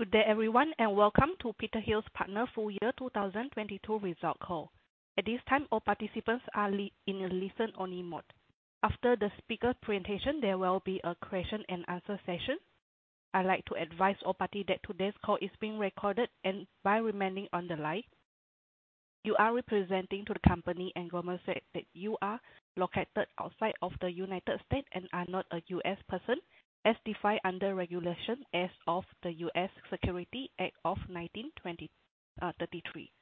Good day everyone, welcome to Petershill Partners Full Year 2022 results call. At this time, all participants are in a listen-only mode. After the speaker presentation, there will be a question and answer session. I'd like to advise all party that today's call is being recorded, by remaining on the line, you are representing to the company and Goldman Sachs that you are located outside of the United States and are not a U.S. person, as defined under Regulation S of the U.S. Securities Act of 1933.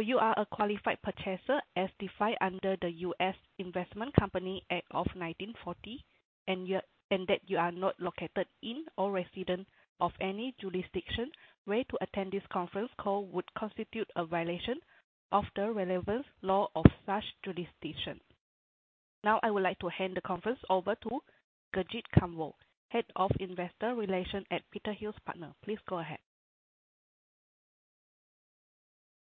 You are a qualified purchaser as defined under the U.S. Investment Company Act of 1940, and that you are not located in or resident of any jurisdiction where to attend this conference call would constitute a violation of the relevant law of such jurisdiction. I would like to hand the conference over to Gurjit Kambo, Head of Investor Relations at Petershill Partners. Please go ahead.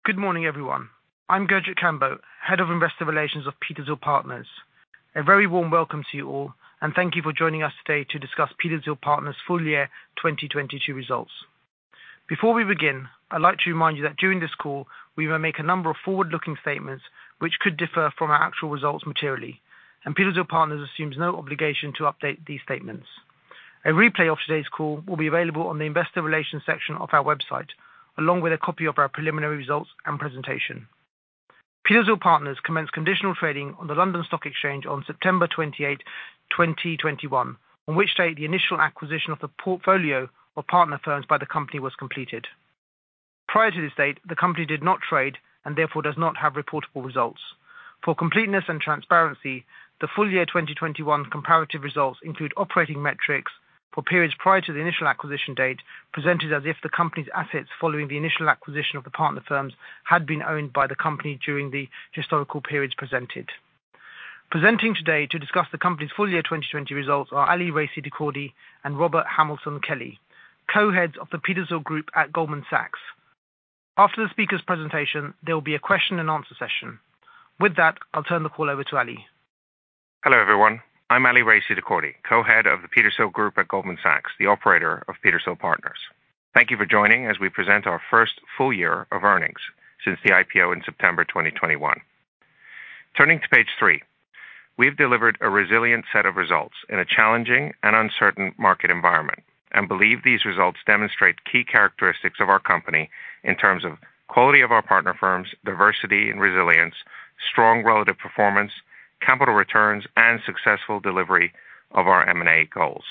Good morning, everyone. I'm Gurjit Kambo, Head of Investor Relations of Petershill Partners. A very warm welcome to you all, thank you for joining us today to discuss Petershill Partners' full year 2022 results. Before we begin, I'd like to remind you that during this call, we will make a number of forward-looking statements which could differ from our actual results materially. Petershill Partners assumes no obligation to update these statements. A replay of today's call will be available on the investor relations section of our website, along with a copy of our preliminary results and presentation. Petershill Partners commenced conditional trading on the London Stock Exchange on September 28, 2021, on which day the initial acquisition of the portfolio of partner firms by the company was completed. Prior to this date, the company did not trade and therefore does not have reportable results. For completeness and transparency, the full year 2021 comparative results include operating metrics for periods prior to the initial acquisition date, presented as if the company's assets following the initial acquisition of the partner firms had been owned by the company during the historical periods presented. Presenting today to discuss the company's full year 2020 results are Ali Raissi-Dehkordy and Robert Hamilton Kelly, co-heads of the Petershill Group at Goldman Sachs. After the speaker's presentation, there will be a question and answer session. With that, I'll turn the call over to Ali. Hello, everyone. I'm Ali Raissi-Dehkordy, co-head of the Petershill Group at Goldman Sachs, the operator of Petershill Partners. Thank you for joining as we present our first full year of earnings since the IPO in September 2021. Turning to page 3. We've delivered a resilient set of results in a challenging and uncertain market environment and believe these results demonstrate key characteristics of our company in terms of quality of our partner firms, diversity and resilience, strong relative performance, capital returns, and successful delivery of our M&A goals.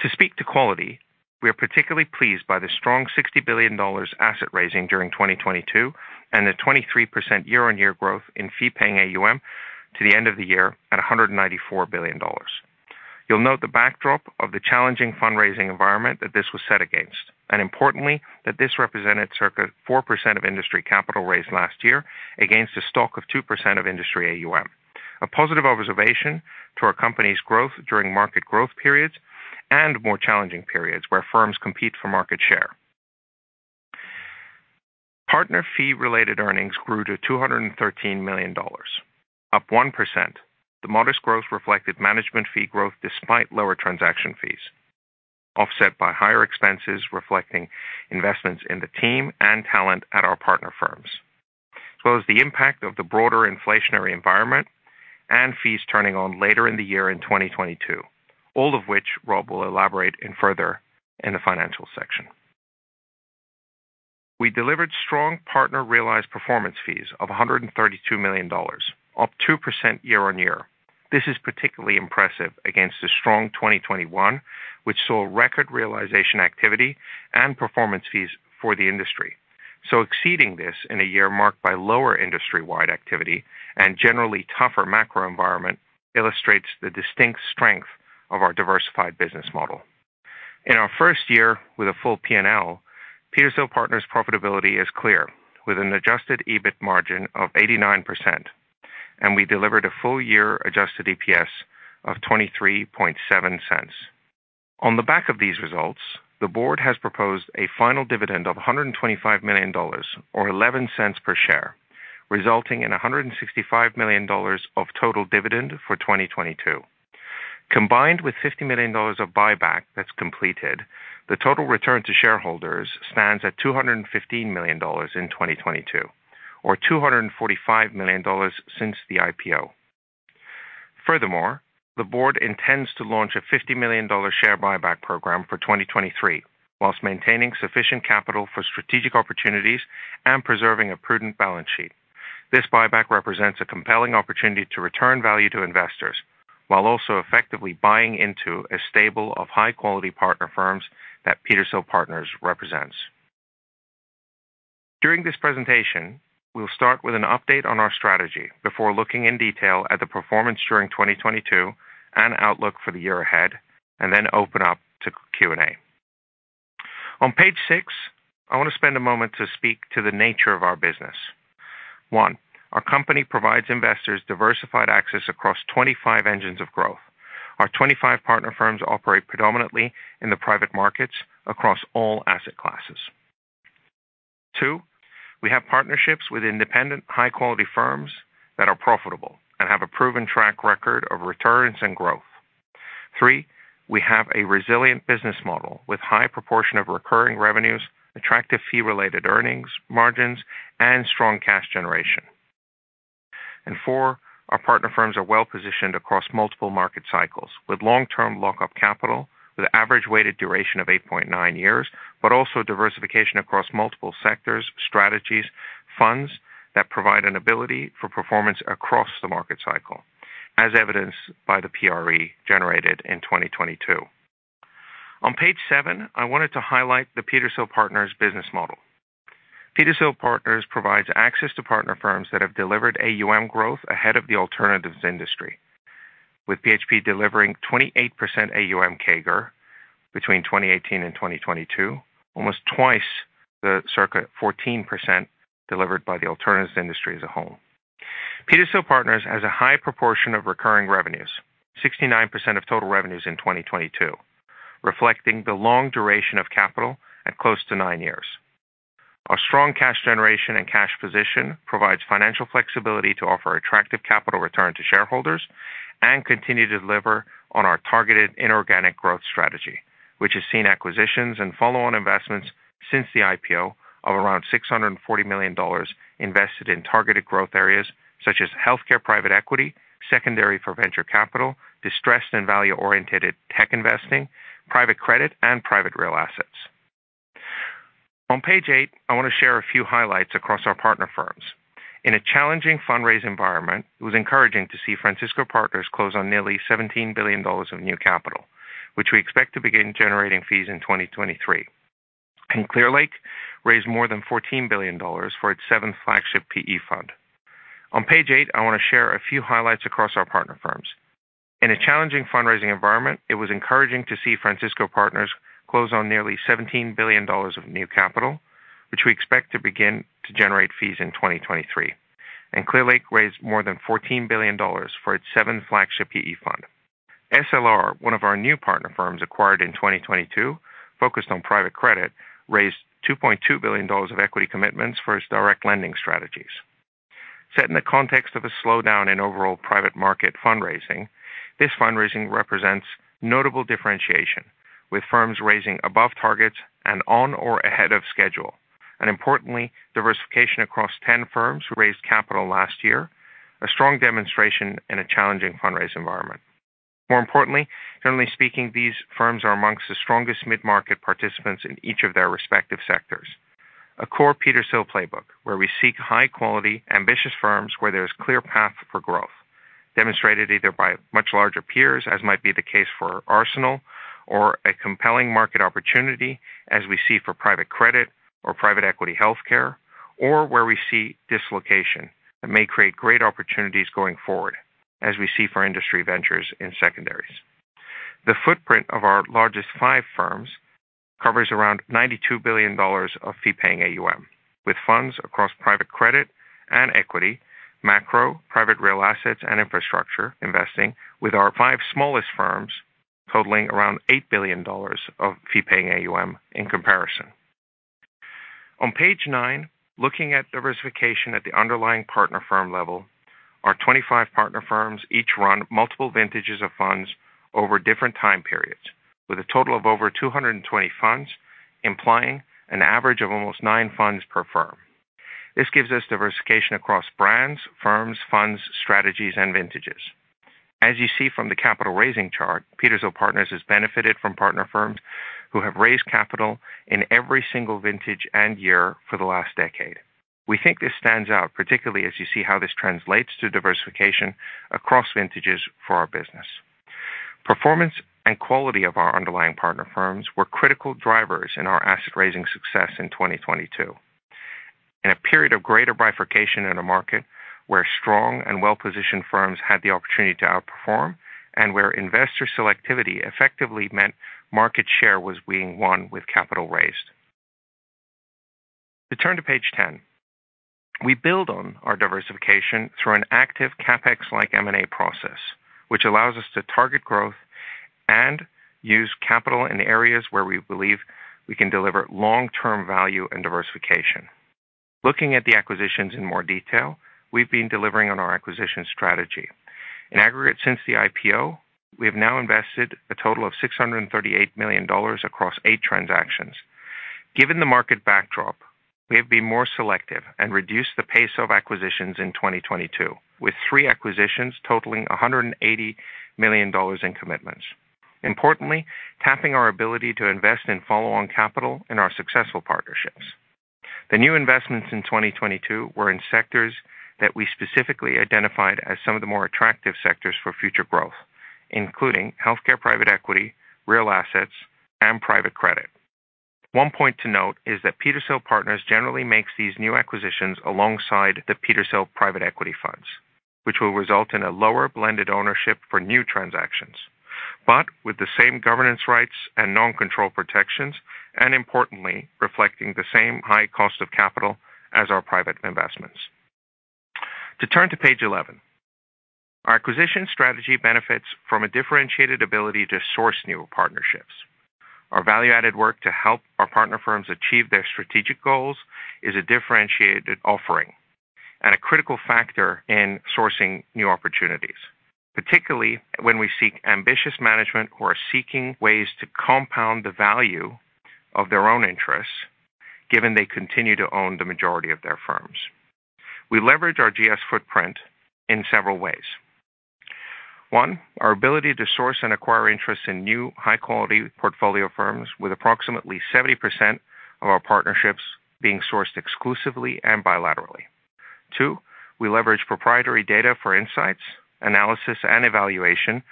To speak to quality, we are particularly pleased by the strong $60 billion asset raising during 2022 and the 23% year-on-year growth in fee-paying AUM to the end of the year at $194 billion. You'll note the backdrop of the challenging fundraising environment that this was set against, importantly, that this represented circa 4% of industry capital raised last year against a stock of 2% of industry AUM. A positive observation to our company's growth during market growth periods and more challenging periods where firms compete for market share. Partner fee-related earnings grew to $213 million, up 1%. The modest growth reflected management fee growth despite lower transaction fees, offset by higher expenses reflecting investments in the team and talent at our partner firms, as well as the impact of the broader inflationary environment and fees turning on later in the year in 2022, all of which Robert will elaborate in further in the financial section. We delivered strong Partner realized performance fees of $132 million, up 2% year-on-year. This is particularly impressive against a strong 2021, which saw record realization activity and performance fees for the industry. Exceeding this in a year marked by lower industry-wide activity and generally tougher macro environment illustrates the distinct strength of our diversified business model. In our first year with a full P&L, Petershill Partners' profitability is clear with an adjusted EBIT margin of 89%, and we delivered a full year adjusted EPS of $0.237. On the back of these results, the board has proposed a final dividend of $125 million or $0.11 per share, resulting in $165 million of total dividend for 2022. Combined with $50 million of buyback that's completed, the total return to shareholders stands at $215 million in 2022 or $245 million since the IPO. The board intends to launch a $50 million share buyback program for 2023 while maintaining sufficient capital for strategic opportunities and preserving a prudent balance sheet. This buyback represents a compelling opportunity to return value to investors while also effectively buying into a stable of high quality partner firms that Petershill Partners represents. During this presentation, we'll start with an update on our strategy before looking in detail at the performance during 2022 and outlook for the year ahead, open up to Q&A. On page six, I want to spend a moment to speak to the nature of our business. One, our company provides investors diversified access across 25 engines of growth. Our 25 partner firms operate predominantly in the private markets across all asset classes. Two, we have partnerships with independent high-quality firms that are profitable and have a proven track record of returns and growth. Three, we have a resilient business model with high proportion of recurring revenues, attractive fee-related earnings margins, and strong cash generation. Four, our partner firms are well-positioned across multiple market cycles with long-term lock-up capital, with average weighted duration of 8.9 years, but also diversification across multiple sectors, strategies, funds that provide an ability for performance across the market cycle, as evidenced by the PRE generated in 2022. On page 7, I wanted to highlight the Petershill Partners business model. Petershill Partners provides access to partner firms that have delivered AUM growth ahead of the alternatives industry, with PHP delivering 28% AUM CAGR between 2018 and 2022, almost twice the circa 14% delivered by the alternatives industry as a whole. Petershill Partners has a high proportion of recurring revenues, 69% of total revenues in 2022, reflecting the long duration of capital at close to 9 years. Our strong cash generation and cash position provides financial flexibility to offer attractive capital return to shareholders and continue to deliver on our targeted inorganic growth strategy, which has seen acquisitions and follow-on investments since the IPO of around $640 million invested in targeted growth areas such as healthcare private equity, secondary for venture capital, distressed and value-oriented tech investing, private credit, and private real assets. On page 8, I wanna share a few highlights across our partner firms. In a challenging fundraise environment, it was encouraging to see Francisco Partners close on nearly $17 billion of new capital, which we expect to begin generating fees in 2023. Clearlake raised more than $14 billion for its seventh flagship PE fund. On page 8, I wanna share a few highlights across our partner firms. In a challenging fundraising environment, it was encouraging to see Francisco Partners close on nearly $17 billion of new capital, which we expect to begin to generate fees in 2023. Clearlake raised more than $14 billion for its seven flagship PE fund. SLR, one of our new partner firms acquired in 2022, focused on private credit, raised $2.2 billion of equity commitments for its direct lending strategies. Set in the context of a slowdown in overall private market fundraising, this fundraising represents notable differentiation, with firms raising above targets and on or ahead of schedule. Importantly, diversification across 10 firms who raised capital last year, a strong demonstration in a challenging fundraise environment. More importantly, generally speaking, these firms are amongst the strongest mid-market participants in each of their respective sectors. A core Petershill playbook where we seek high quality, ambitious firms where there's clear path for growth, demonstrated either by much larger peers, as might be the case for Arsenal or a compelling market opportunity, as we see for private credit or private equity healthcare, or where we see dislocation that may create great opportunities going forward, as we see for Industry Ventures in secondaries. The footprint of our largest 5 firms covers around $92 billion of fee-paying AUM, with funds across private credit and equity, macro, private real assets, and infrastructure investing, with our 5 smallest firms totaling around $8 billion of fee-paying AUM in comparison. On page nine, looking at diversification at the underlying partner firm level, our 25 partner firms each run multiple vintages of funds over different time periods, with a total of over 220 funds, implying an average of almost nine funds per firm. This gives us diversification across brands, firms, funds, strategies, and vintages. As you see from the capital raising chart, Petershill Partners has benefited from partner firms who have raised capital in every single vintage and year for the last decade. We think this stands out, particularly as you see how this translates to diversification across vintages for our business. Performance and quality of our underlying partner firms were critical drivers in our asset raising success in 2022. In a period of greater bifurcation in a market where strong and well-positioned firms had the opportunity to outperform and where investor selectivity effectively meant market share was being won with capital raised. To turn to page 10. We build on our diversification through an active CapEx-like M&A process, which allows us to target growth and use capital in areas where we believe we can deliver long-term value and diversification. Looking at the acquisitions in more detail, we've been delivering on our acquisition strategy. In aggregate since the IPO, we have now invested a total of $638 million across 8 transactions. Given the market backdrop, we have been more selective and reduced the pace of acquisitions in 2022, with 3 acquisitions totaling $180 million in commitments. Importantly, tapping our ability to invest in follow-on capital in our successful partnerships. The new investments in 2022 were in sectors that we specifically identified as some of the more attractive sectors for future growth, including healthcare private equity, real assets, and private credit. One point to note is that Petershill Partners generally makes these new acquisitions alongside the Petershill private equity funds, which will result in a lower blended ownership for new transactions, but with the same governance rights and non-control protections, and importantly, reflecting the same high cost of capital as our private investments. To turn to page 11. Our acquisition strategy benefits from a differentiated ability to source new partnerships. Our value-added work to help our partner firms achieve their strategic goals is a differentiated offering and a critical factor in sourcing new opportunities, particularly when we seek ambitious management who are seeking ways to compound the value of their own interests, given they continue to own the majority of their firms. We leverage our GS footprint in several ways. One, our ability to source and acquire interest in new high quality portfolio firms with approximately 70% of our partnerships being sourced exclusively and bilaterally. Two, we leverage proprietary data for insights, analysis, and evaluation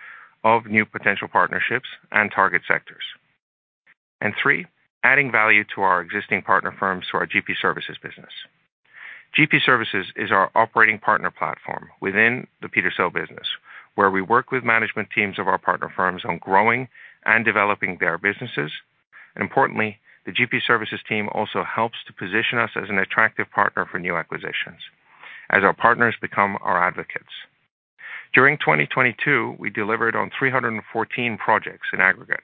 of new potential partnerships and target sectors. Three, adding value to our existing partner firms through our GP Services business. GP Services is our operating partner platform within the Petershill business, where we work with management teams of our partner firms on growing and developing their businesses. Importantly, the GP Services team also helps to position us as an attractive partner for new acquisitions as our partners become our advocates. During 2022, we delivered on 314 projects in aggregate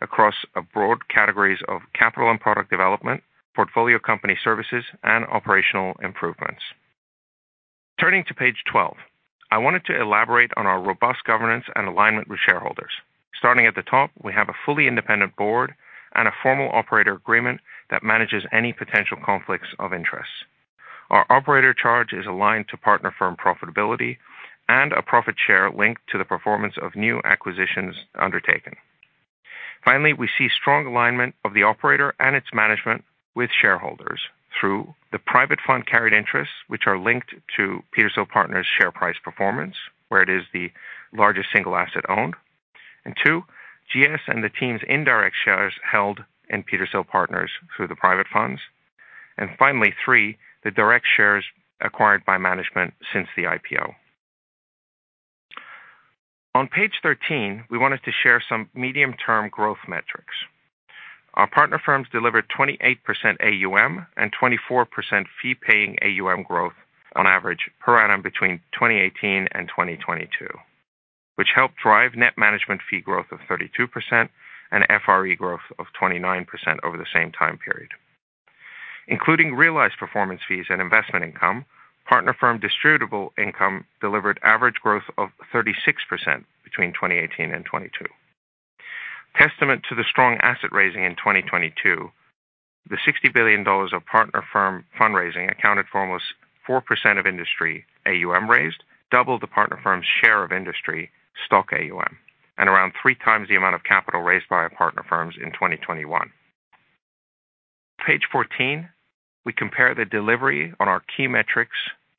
across a broad categories of capital and product development, portfolio company services, and operational improvements. Turning to page 12, I wanted to elaborate on our robust governance and alignment with shareholders. Starting at the top, we have a fully independent board and a formal operator agreement that manages any potential conflicts of interest. Our operator charge is aligned to partner firm profitability and a profit share linked to the performance of new acquisitions undertaken. Finally, we see strong alignment of the operator and its management with shareholders through the private fund carried interests, which are linked to Petershill Partners share price performance, where it is the largest single asset owned. Two, GS and the team's indirect shares held in Petershill Partners through the private funds. Finally, three, the direct shares acquired by management since the IPO. On page 13, we wanted to share some medium-term growth metrics. Our partner firms delivered 28% AUM and 24% fee-paying AUM growth on average per annum between 2018 and 2022, which helped drive net management fee growth of 32% and FRE growth of 29% over the same time period. Including realized performance fees and investment income, partner firm distributable income delivered average growth of 36% between 2018 and 22. Testament to the strong asset raising in 2022, the $60 billion of partner firm fundraising accounted for almost 4% of industry AUM raised, double the partner firm's share of industry stock AUM, around three times the amount of capital raised by our partner firms in 2021. Page 14, we compare the delivery on our key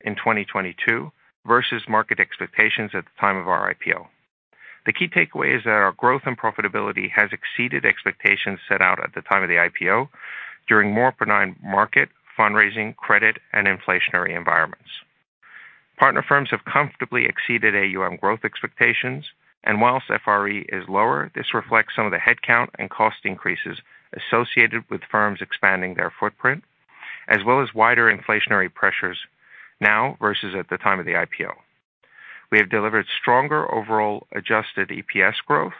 metrics in 2022 versus market expectations at the time of our IPO. The key takeaway is that our growth and profitability has exceeded expectations set out at the time of the IPO during more benign market fundraising, credit, and inflationary environments. Partner firms have comfortably exceeded AUM growth expectations, whilst FRE is lower, this reflects some of the headcount and cost increases associated with firms expanding their footprint, as well as wider inflationary pressures now versus at the time of the IPO. We have delivered stronger overall adjusted EPS growth,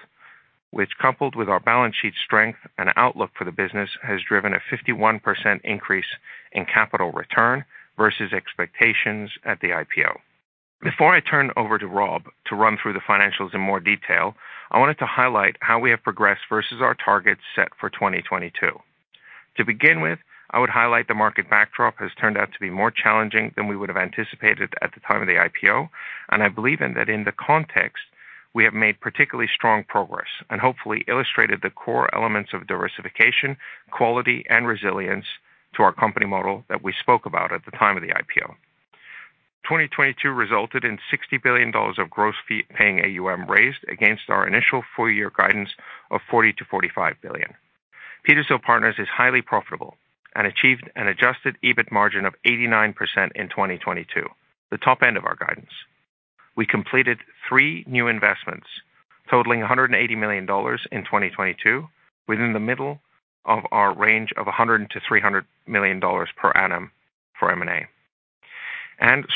which, coupled with our balance sheet strength and outlook for the business, has driven a 51% increase in capital return versus expectations at the IPO. Before I turn over to Robert to run through the financials in more detail, I wanted to highlight how we have progressed versus our targets set for 2022. To begin with, I would highlight the market backdrop has turned out to be more challenging than we would have anticipated at the time of the IPO, and I believe in that in the context, we have made particularly strong progress and hopefully illustrated the core elements of diversification, quality, and resilience to our company model that we spoke about at the time of the IPO. 2022 resulted in $60 billion of gross fee-paying AUM raised against our initial full year guidance of $40 billion-$45 billion. Petershill Partners is highly profitable and achieved an adjusted EBIT margin of 89% in 2022, the top end of our guidance. We completed 3 new investments totaling $180 million in 2022 within the middle of our range of $100 million-$300 million per annum for M&A.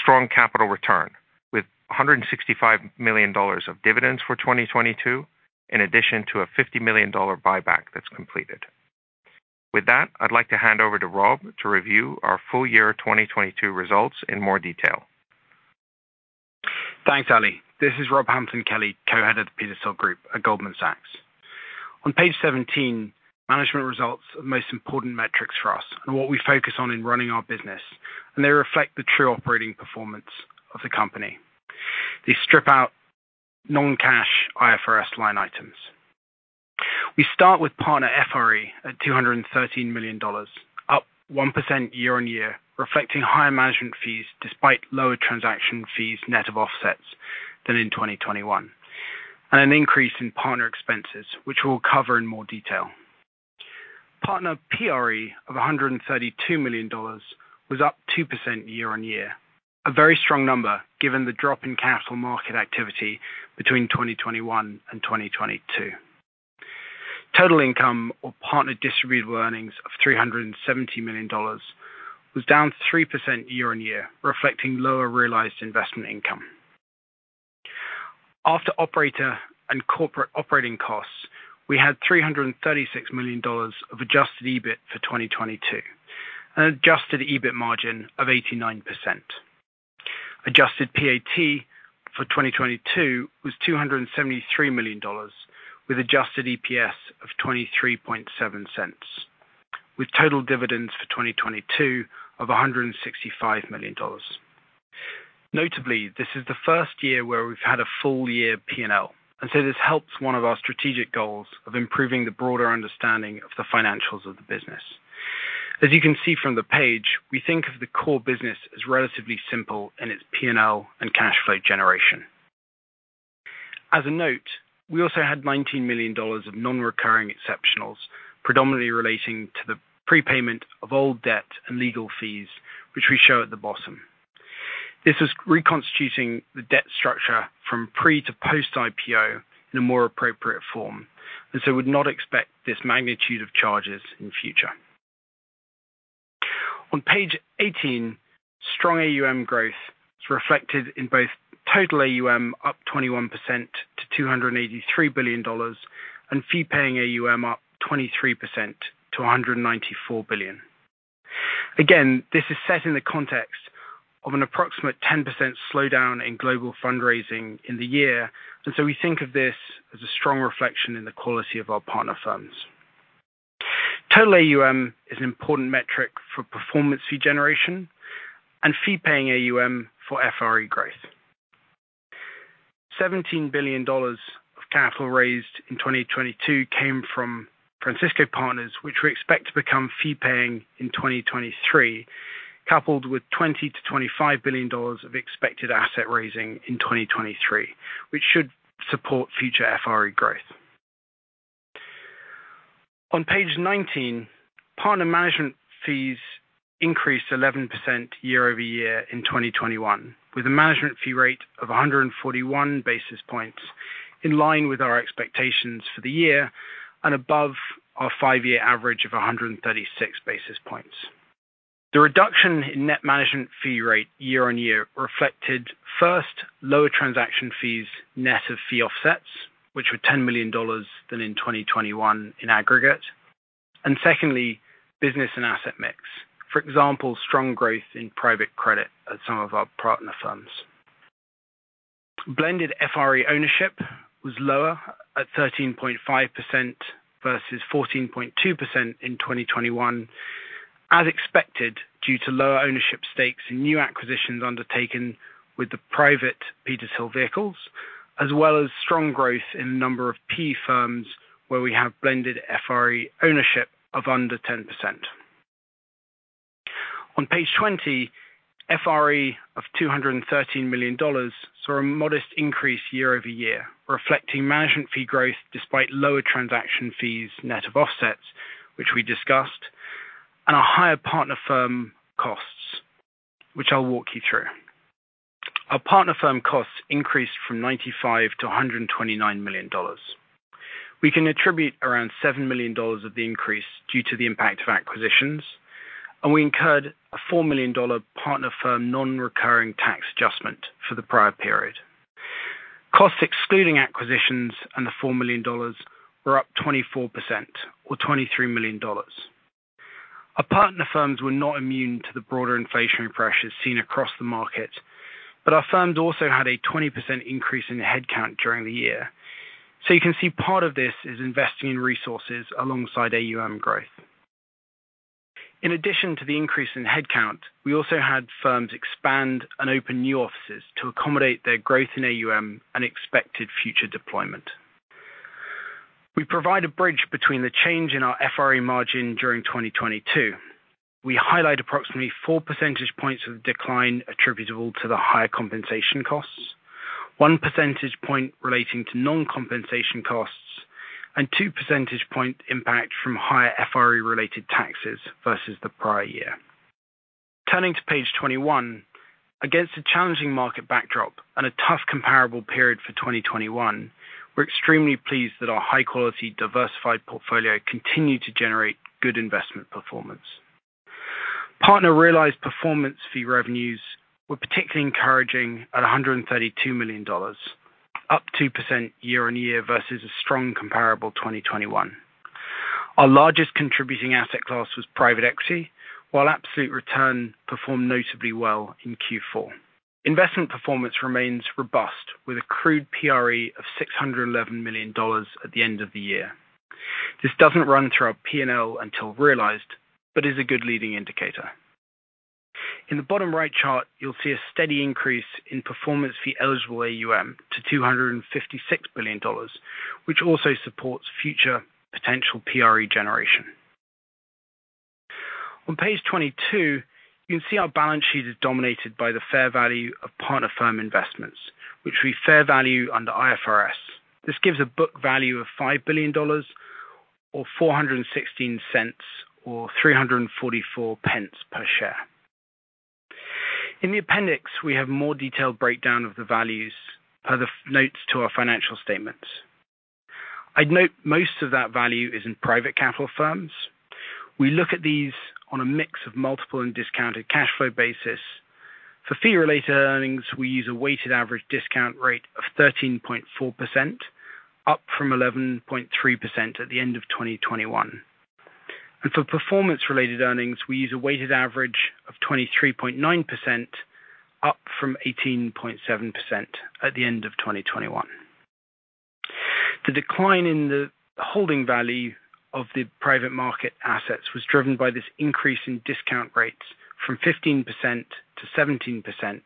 Strong capital return with $165 million of dividends for 2022 in addition to a $50 million buyback that's completed. With that, I'd like to hand over to Robert to review our full year 2022 results in more detail. Thanks, Ali. This is Robert Hampton Kelly, co-head of the Petershill Group at Goldman Sachs. On page 17, management results are the most important metrics for us and what we focus on in running our business, and they reflect the true operating performance of the company. They strip out non-cash IFRS line items. We start with partner FRE at $213 million, up 1% year-on-year, reflecting higher management fees despite lower transaction fees net of offsets than in 2021, and an increase in partner expenses, which we'll cover in more detail. Partner PRE of $132 million was up 2% year-on-year. A very strong number given the drop in capital market activity between 2021 and 2022. Total income or Partner Distributable Earnings of $370 million was down 3% year-on-year, reflecting lower realized investment income. After operator and corporate operating costs, we had $336 million of adjusted EBIT for 2022, an adjusted EBIT margin of 89%. Adjusted PAT for 2022 was $273 million with adjusted EPS of $0.237, with total dividends for 2022 of $165 million. Notably, this is the first year where we've had a full year P&L. This helps one of our strategic goals of improving the broader understanding of the financials of the business. As you can see from the page, we think of the core business as relatively simple in its P&L and cash flow generation. As a note, we also had $19 million of non-recurring exceptionals, predominantly relating to the prepayment of old debt and legal fees, which we show at the bottom. This is reconstituting the debt structure from pre to post-IPO in a more appropriate form. Would not expect this magnitude of charges in future. On page 18, strong AUM growth is reflected in both total AUM up 21% to $283 billion and fee-paying AUM up 23% to $194 billion. This is set in the context of an approximate 10% slowdown in global fundraising in the year. We think of this as a strong reflection in the quality of our partner firms. Total AUM is an important metric for performance fee generation and fee-paying AUM for FRE growth. $17 billion of capital raised in 2022 came from Francisco Partners, which we expect to become fee-paying in 2023, coupled with $20 billion-$25 billion of expected asset raising in 2023, which should support future FRE growth. On page 19, partner management fees increased 11% year-over-year in 2021, with a management fee rate of 141 basis points in line with our expectations for the year and above our five-year average of 136 basis points. The reduction in net management fee rate year-on-year reflected first lower transaction fees, net of fee offsets, which were $10 million than in 2021 in aggregate. Secondly, business and asset mix. For example, strong growth in private credit at some of our partner firms. Blended FRE ownership was lower at 13.5% versus 14.2% in 2021, as expected, due to lower ownership stakes and new acquisitions undertaken with the private Petershill vehicles, as well as strong growth in the number of PE firms where we have blended FRE ownership of under 10%. On page 20, FRE of $213 million saw a modest increase year-over-year, reflecting management fee growth despite lower transaction fees net of offsets, which we discussed, and our higher partner firm costs, which I'll walk you through. Our partner firm costs increased from $95 million to $129 million. We can attribute around $7 million of the increase due to the impact of acquisitions, and we incurred a $4 million partner firm non-recurring tax adjustment for the prior period. Costs excluding acquisitions and the $4 million were up 24% or $23 million. Our partner firms were not immune to the broader inflationary pressures seen across the market. Our firms also had a 20% increase in headcount during the year. You can see part of this is investing in resources alongside AUM growth. In addition to the increase in headcount, we also had firms expand and open new offices to accommodate their growth in AUM and expected future deployment. We provide a bridge between the change in our FRE margin during 2022. We highlight approximately 4 percentage points of decline attributable to the higher compensation costs, 1 percentage point relating to non-compensation costs, and 2 percentage point impact from higher FRE-related taxes versus the prior year. Turning to page 21, against a challenging market backdrop and a tough comparable period for 2021, we're extremely pleased that our high-quality diversified portfolio continued to generate good investment performance. Partner Realized Performance Fee Revenues were particularly encouraging at $132 million, up 2% year-over-year versus a strong comparable 2021. Our largest contributing asset class was private equity, while absolute return performed notably well in Q4. Investment performance remains robust with accrued PRE of $611 million at the end of the year. This doesn't run through our P&L until realized, but is a good leading indicator. In the bottom right chart, you'll see a steady increase in performance fee-eligible AUM to $256 billion, which also supports future potential PRE generation. On page 22, you can see our balance sheet is dominated by the fair value of partner firm investments, which we fair value under IFRS. This gives a book value of $5 billion or $4.16 or 344 pence per share. In the appendix, we have more detailed breakdown of the values of the notes to our financial statements. I'd note most of that value is in private capital firms. We look at these on a mix of multiple and discounted cash flow basis. For fee-related earnings, we use a weighted average discount rate of 13.4%, up from 11.3% at the end of 2021. For performance-related earnings, we use a weighted average of 23.9%, up from 18.7% at the end of 2021. The decline in the holding value of the private market assets was driven by this increase in discount rates from 15% to 17%,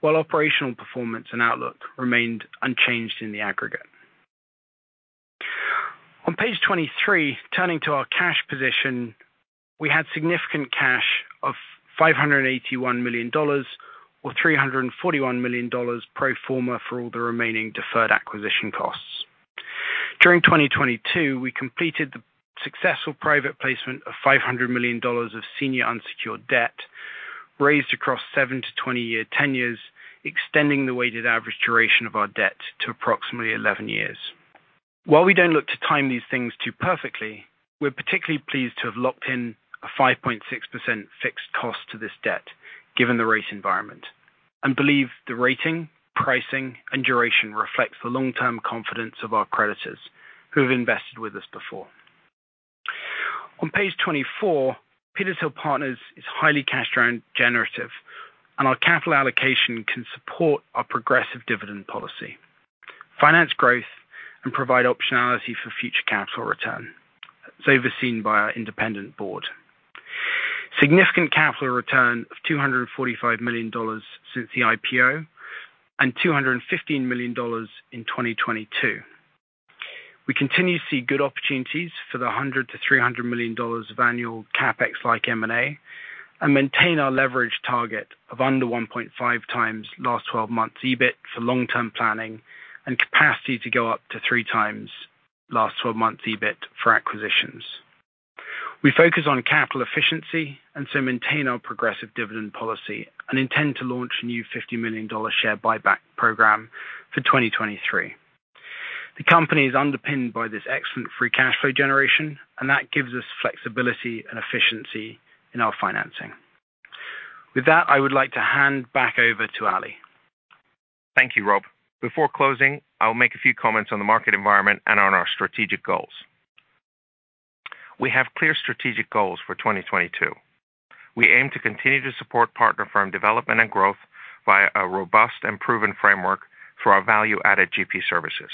while operational performance and outlook remained unchanged in the aggregate. On page 23, turning to our cash position, we had significant cash of $581 million or $341 million pro forma for all the remaining deferred acquisition costs. During 2022, we completed the successful private placement of $500 million of senior unsecured debt raised across 7-20-year ten years, extending the weighted average duration of our debt to approximately 11 years. While we don't look to time these things too perfectly, we're particularly pleased to have locked in a 5.6% fixed cost to this debt given the rate environment, and believe the rating, pricing, and duration reflects the long-term confidence of our creditors who have invested with us before. On page 24, Petershill Partners is highly cash generative, and our capital allocation can support our progressive dividend policy, finance growth, and provide optionality for future capital return. It's overseen by our independent board. Significant capital return of $245 million since the IPO and $215 million in 2022. We continue to see good opportunities for the $100 million-$300 million of annual CapEx like M&A, and maintain our leverage target of under 1.5x last 12 months EBIT for long-term planning and capacity to go up to 3x last 12 months EBIT for acquisitions. We focus on capital efficiency and so maintain our progressive dividend policy and intend to launch a new $50 million share buyback program for 2023. The company is underpinned by this excellent free cash flow generation, that gives us flexibility and efficiency in our financing. With that, I would like to hand back over to Ali. Thank you, Robert. Before closing, I will make a few comments on the market environment and on our strategic goals. We have clear strategic goals for 2022. We aim to continue to support partner firm development and growth via a robust and proven framework for our value-added GP services.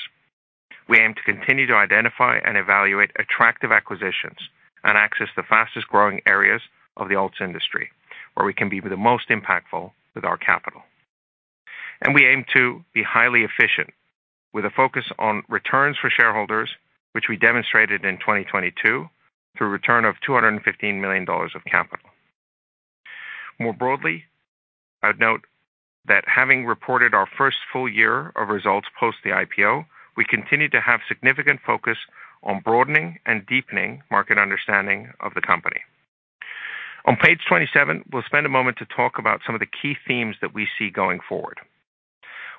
We aim to continue to identify and evaluate attractive acquisitions and access the fastest-growing areas of the alts industry where we can be the most impactful with our capital. We aim to be highly efficient with a focus on returns for shareholders, which we demonstrated in 2022 through a return of $215 million of capital. More broadly, I'd note that having reported our first full year of results post the IPO, we continue to have significant focus on broadening and deepening market understanding of the company. On page 27, we'll spend a moment to talk about some of the key themes that we see going forward.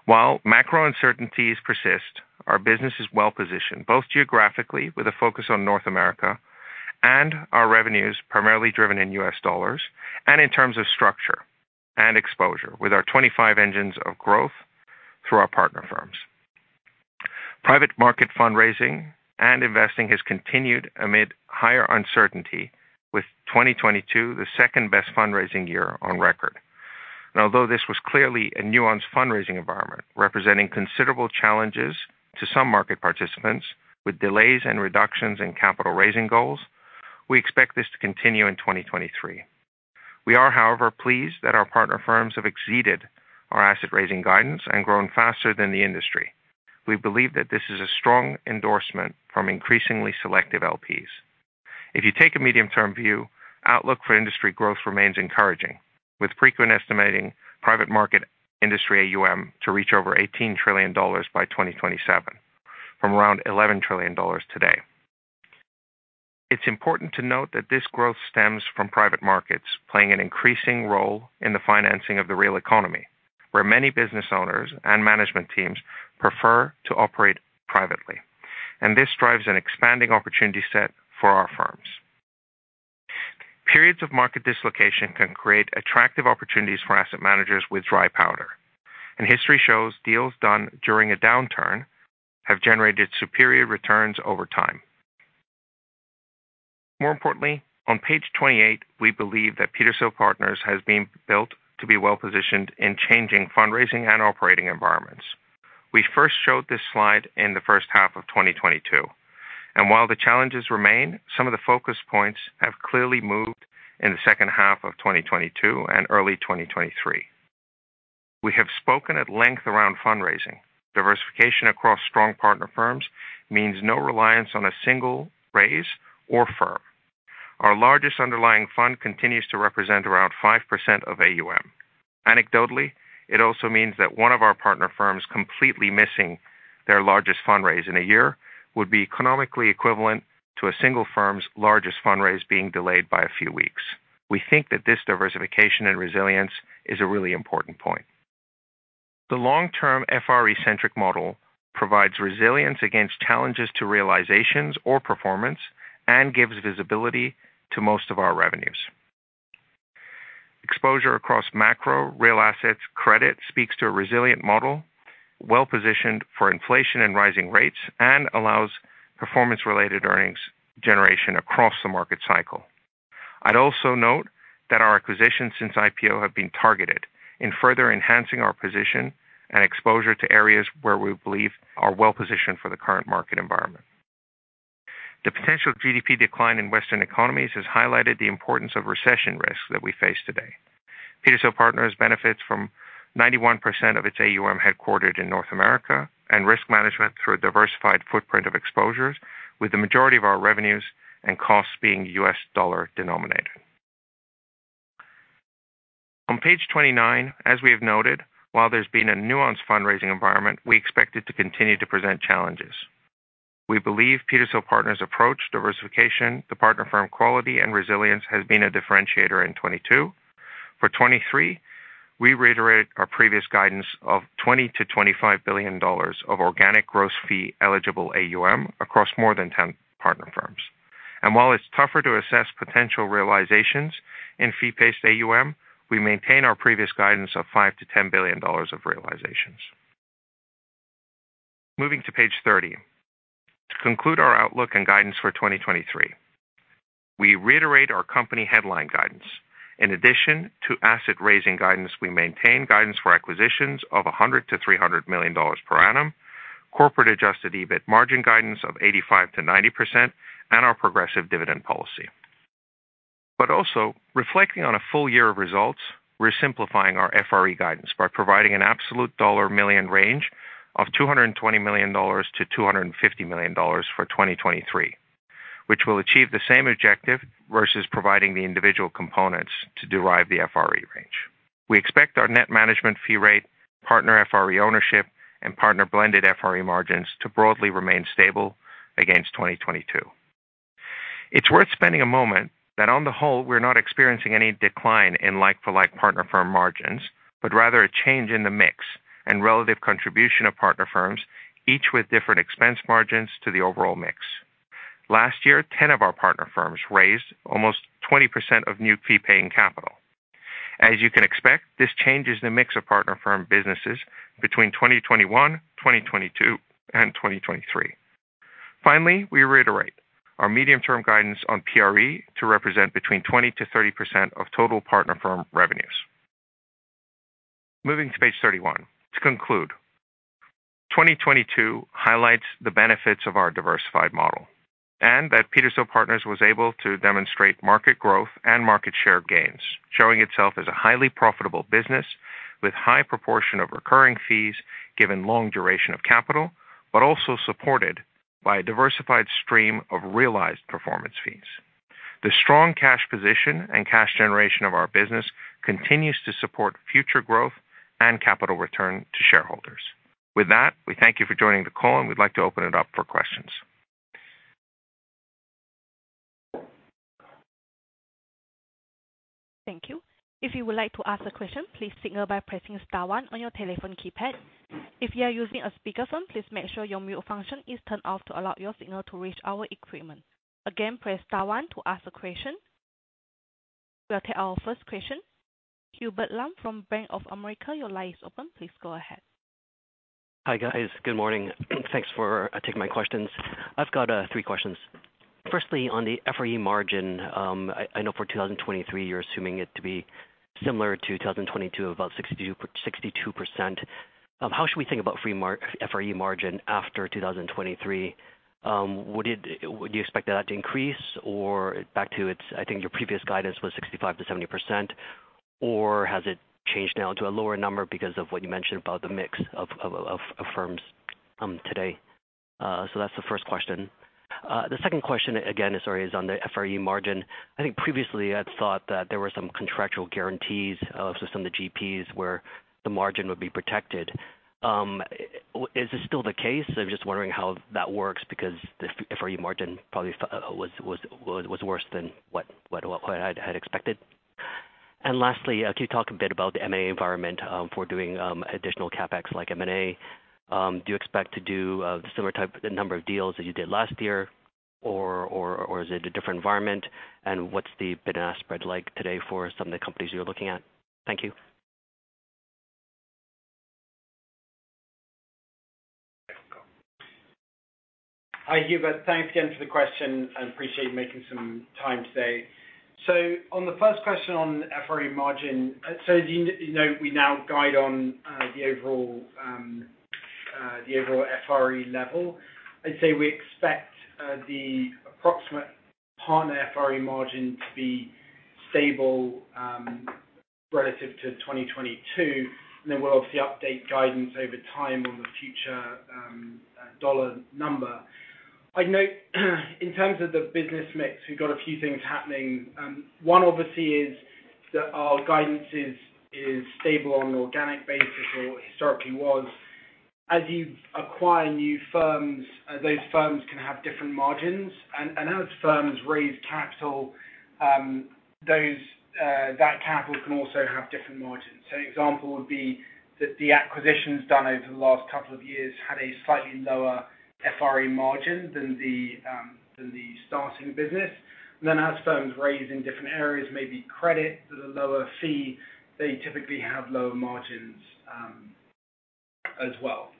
While macro uncertainties persist, our business is well positioned both geographically with a focus on North America, and our revenues primarily driven in U.S. dollars, and in terms of structure and exposure with our 25 engines of growth through our partner firms. Private market fundraising and investing has continued amid higher uncertainty with 2022, the second best fundraising year on record. Although this was clearly a nuanced fundraising environment representing considerable challenges to some market participants with delays and reductions in capital raising goals, we expect this to continue in 2023. We are, however, pleased that our partner firms have exceeded our asset raising guidance and grown faster than the industry. We believe that this is a strong endorsement from increasingly selective LPs. If you take a medium-term view, outlook for industry growth remains encouraging, with Preqin estimating private market industry AUM to reach over $18 trillion by 2027 from around $11 trillion today. It's important to note that this growth stems from private markets playing an increasing role in the financing of the real economy, where many business owners and management teams prefer to operate privately. This drives an expanding opportunity set for our firms. Periods of market dislocation can create attractive opportunities for asset managers with dry powder. History shows deals done during a downturn have generated superior returns over time. More importantly, on page 28, we believe that Petershill Partners has been built to be well positioned in changing fundraising and operating environments. We first showed this slide in the first half of 2022, and while the challenges remain, some of the focus points have clearly moved in the second half of 2022 and early 2023. We have spoken at length around fundraising. Diversification across strong partner firms means no reliance on a single raise or firm. Our largest underlying fund continues to represent around 5% of AUM. Anecdotally, it also means that one of our partner firms completely missing their largest fundraise in a year would be economically equivalent to a single firm's largest fundraise being delayed by a few weeks. We think that this diversification and resilience is a really important point. The long-term FRE centric model provides resilience against challenges to realizations or performance and gives visibility to most of our revenues. Exposure across macro real assets credit speaks to a resilient model, well-positioned for inflation and rising rates, and allows performance-related earnings generation across the market cycle. I'd also note that our acquisitions since IPO have been targeted in further enhancing our position and exposure to areas where we believe are well-positioned for the current market environment. The potential GDP decline in Western economies has highlighted the importance of recession risks that we face today. Petershill Partners benefits from 91% of its AUM headquartered in North America and risk management through a diversified footprint of exposures, with the majority of our revenues and costs being US dollar denominated. On page 29, as we have noted, while there's been a nuanced fundraising environment, we expect it to continue to present challenges. We believe Petershill Partners approach diversification, the partner firm quality, and resilience has been a differentiator in 2022. For 2023, we reiterated our previous guidance of $20 billion-$25 billion of organic gross fee-eligible AUM across more than 10 partner firms. While it's tougher to assess potential realizations in fee-based AUM, we maintain our previous guidance of $5 billion-$10 billion of realizations. Moving to page 30. To conclude our outlook and guidance for 2023, we reiterate our company headline guidance. In addition to asset raising guidance, we maintain guidance for acquisitions of $100 million-$300 million per annum, corporate adjusted EBIT margin guidance of 85%-90%, and our progressive dividend policy. Also reflecting on a full year of results, we're simplifying our FRE guidance by providing an absolute dollar million range of $220 million-$250 million for 2023, which will achieve the same objective versus providing the individual components to derive the FRE range. We expect our net management fee rate, partner FRE ownership, and partner blended FRE margins to broadly remain stable against 2022. It's worth spending a moment that on the whole, we're not experiencing any decline in like-for-like partner firm margins, but rather a change in the mix and relative contribution of partner firms, each with different expense margins to the overall mix. Last year, 10 of our partner firms raised almost 20% of new fee-paying capital. As you can expect, this changes the mix of partner firm businesses between 2021, 2022, and 2023. We reiterate our medium-term guidance on PRE to represent between 20%-30% of total partner firm revenues. Moving to page 31. To conclude, 2022 highlights the benefits of our diversified model and that Petershill Partners was able to demonstrate market growth and market share gains, showing itself as a highly profitable business with high proportion of recurring fees given long duration of capital, but also supported by a diversified stream of realized performance fees. The strong cash position and cash generation of our business continues to support future growth and capital return to shareholders. With that, we thank you for joining the call, and we'd like to open it up for questions. Thank you. If you would like to ask a question, please signal by pressing star one on your telephone keypad. If you are using a speakerphone, please make sure your mute function is turned off to allow your signal to reach our equipment. Again, press star one to ask a question. We'll take our first question. Hubert Lam from Bank of America, your line is open. Please go ahead. Hi, guys. Good morning. Thanks for taking my questions. I've got three questions. Firstly, on the FRE margin, I know for 2023 you're assuming it to be similar to 2022, about 62%. How should we think about FRE margin after 2023? Would you expect that to increase or back to its... I think your previous guidance was 65%-70%, or has it changed now to a lower number because of what you mentioned about the mix of firms today? That's the first question. The second question again, sorry, is on the FRE margin. I think previously I'd thought that there were some contractual guarantees with some of the GPs where the margin would be protected. Is this still the case? I'm just wondering how that works because the FRE margin probably was worse than what I had expected. Lastly, can you talk a bit about the M&A environment for doing additional CapEx like M&A? Do you expect to do a similar type of number of deals that you did last year or is it a different environment? What's the bid-and-ask spread like today for some of the companies you're looking at? Thank you. Hi, Hubert. Thanks again for the question. I appreciate you making some time today. On the first question on FRE margin. As you know, we now guide on the overall FRE level. I'd say we expect the approximate partner FRE margin to be stable relative to 2022, and then we'll obviously update guidance over time on the future dollar number. I'd note, in terms of the business mix, we've got a few things happening. One obviously is that our guidance is stable on an organic basis, or historically was As you acquire new firms, those firms can have different margins. As firms raise capital, that capital can also have different margins. An example would be that the acquisitions done over the last couple of years had a slightly lower FRE margin than the starting business. As firms raise in different areas, maybe credit with a lower fee, they typically have lower margins as well.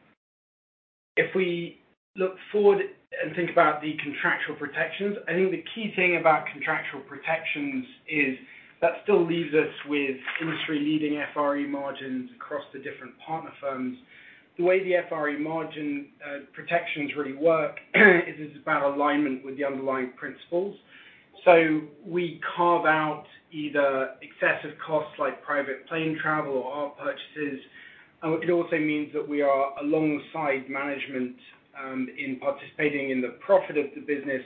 If we look forward and think about the contractual protections, I think the key thing about contractual protections is that still leaves us with industry-leading FRE margins across the different partner firms. The way the FRE margin protections really work is it's about alignment with the underlying principles. We carve out either excessive costs like private plane travel or art purchases. It also means that we are alongside management, in participating in the profit of the business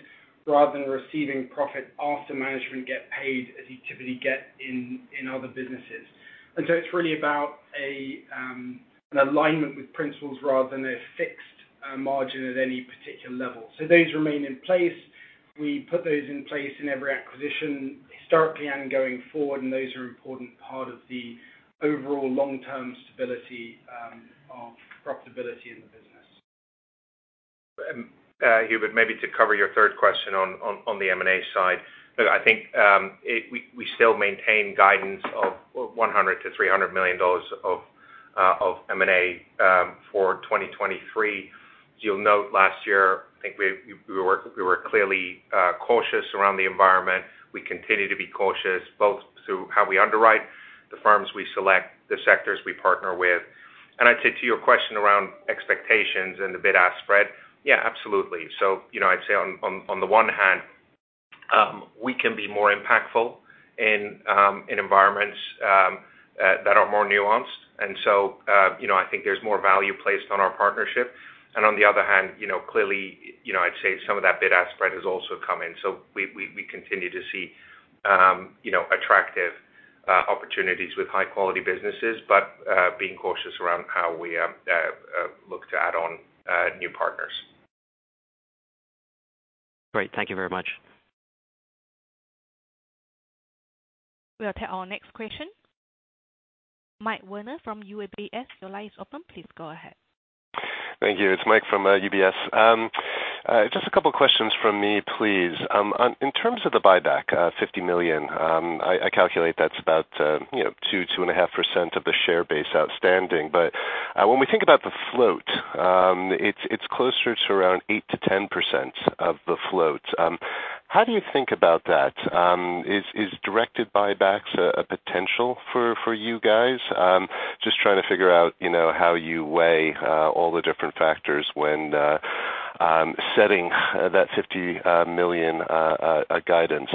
rather than receiving profit after management get paid as you typically get in other businesses. It's really about a, an alignment with principals rather than a fixed margin at any particular level. Those remain in place. We put those in place in every acquisition, historically and going forward, and those are important part of the overall long-term stability of profitability in the business. Hubert, maybe to cover your third question on, on the M&A side. Look, I think, we still maintain guidance of $100 million-$300 million of M&A for 2023. You'll note last year, I think we were, we were clearly cautious around the environment. We continue to be cautious both through how we underwrite the firms we select, the sectors we partner with. I'd say to your question around expectations and the bid-ask spread, yeah, absolutely. You know, I'd say on, on the one hand, we can be more impactful in environments that are more nuanced. You know, I think there's more value placed on our partnership. On the other hand, you know, clearly, you know, I'd say some of that bid-ask spread has also come in. We continue to see, you know, attractive opportunities with high-quality businesses, but being cautious around how we look to add on new partners. Great. Thank you very much. We'll take our next question. Michael Werner from UBS, your line is open. Please go ahead. Thank you. It's Mike from UBS. Just a couple questions from me, please. In terms of the buyback, $50 million, I calculate that's about, you know, 2.5% of the share base outstanding. When we think about the float, it's closer to around 8%-10% of the float. How do you think about that? Is directed buybacks a potential for you guys? Just trying to figure out, you know, how you weigh all the different factors when setting that $50 million guidance.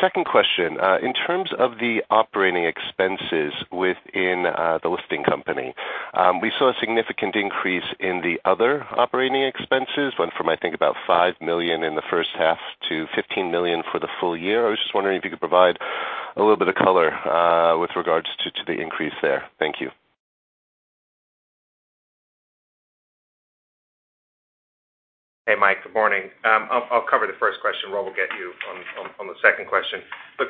Second question, in terms of the operating expenses within the listing company, we saw a significant increase in the other operating expenses, went from, I think, about $5 million in the first half to $15 million for the full year. I was just wondering if you could provide a little bit of color with regards to the increase there. Thank you. Hey, Mike, good morning. I'll cover the first question. Robert will get you on the second question.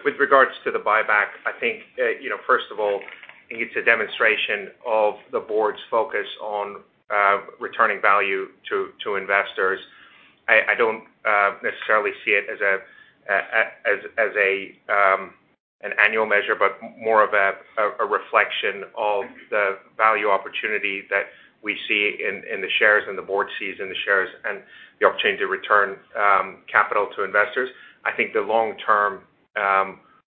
With regards to the buyback, I think, you know, first of all, I think it's a demonstration of the board's focus on returning value to investors. I don't necessarily see it as a an annual measure, but more of a reflection of the value opportunity that we see in the shares and the board sees in the shares and the opportunity to return capital to investors. I think the long-term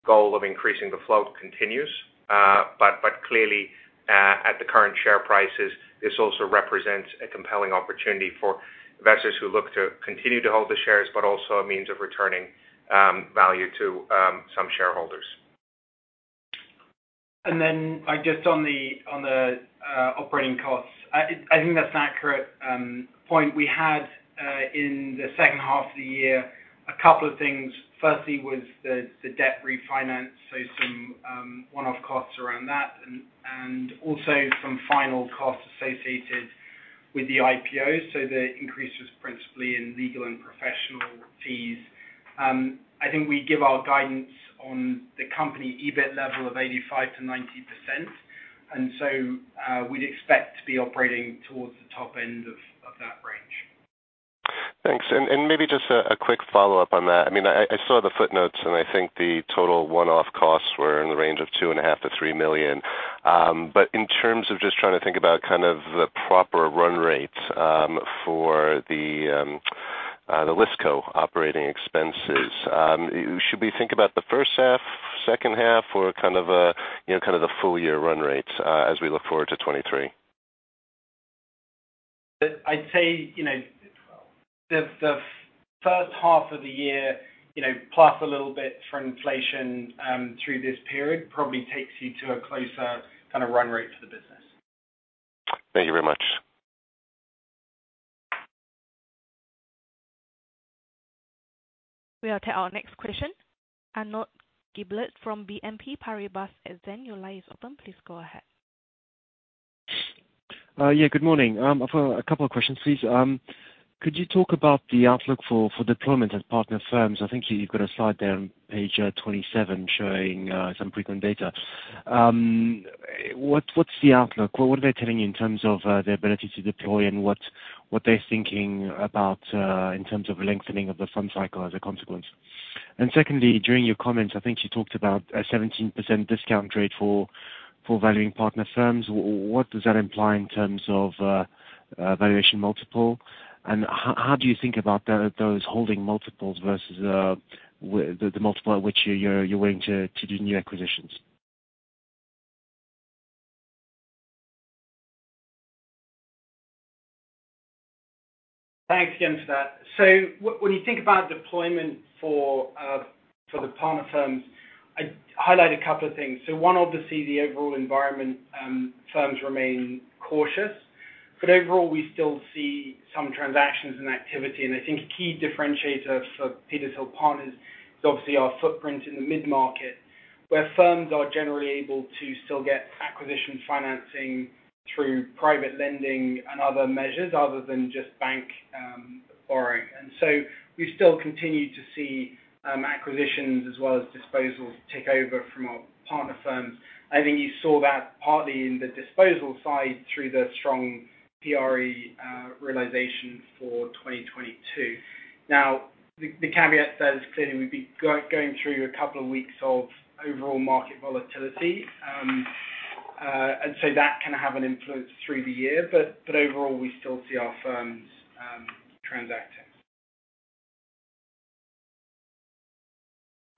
goal of increasing the float continues. Clearly, at the current share prices, this also represents a compelling opportunity for investors who look to continue to hold the shares, but also a means of returning, value to, some shareholders. Mike, just on the operating costs, I think that's an accurate point. We had in the second half of the year a couple of things. Firstly was the debt refinance, so some one-off costs around that and also some final costs associated with the IPO. The increase was principally in legal and professional fees. I think we give our guidance on the company EBIT level of 85%-90%. We'd expect to be operating towards the top end of that range. Thanks. Maybe just a quick follow-up on that. I mean, I saw the footnotes, and I think the total one-off costs were in the range of two and a half to three million USD. In terms of just trying to think about kind of the proper run rate, for the Listco operating expenses, should we think about the first half, second half, or you know, the full-year run rate, as we look forward to 2023? I'd say, you know, the first half of the year, you know, plus a little bit for inflation, through this period probably takes you to a closer kind of run rate for the business. Thank you very much. We'll take our next question. Arnaud Giblat from BNP Paribas. Your line is open. Please go ahead. Yeah, good morning. I've a couple of questions, please. Could you talk about the outlook for deployment as partner firms? I think you've got a slide there on page 27 showing some frequent data. What's the outlook? What are they telling you in terms of their ability to deploy and what they're thinking about in terms of lengthening of the fund cycle as a consequence? Secondly, during your comments, I think you talked about a 17% discount rate for valuing partner firms. What does that imply in terms of valuation multiple? How do you think about those holding multiples versus the multiple at which you're willing to do new acquisitions? Thanks again for that. When you think about deployment for the partner firms, I highlight a couple of things. One, obviously the overall environment. Firms remain cautious. Overall, we still see some transactions and activity. I think a key differentiator for Petershill Partners is obviously our footprint in the mid-market, where firms are generally able to still get acquisition financing through private lending and other measures other than just bank borrowing. We still continue to see acquisitions as well as disposals take over from our partner firms. I think you saw that partly in the disposal side through the strong PRE realization for 2022. The caveat says clearly we've been going through a couple of weeks of overall market volatility. That can have an influence through the year. Overall, we still see our firms transacting.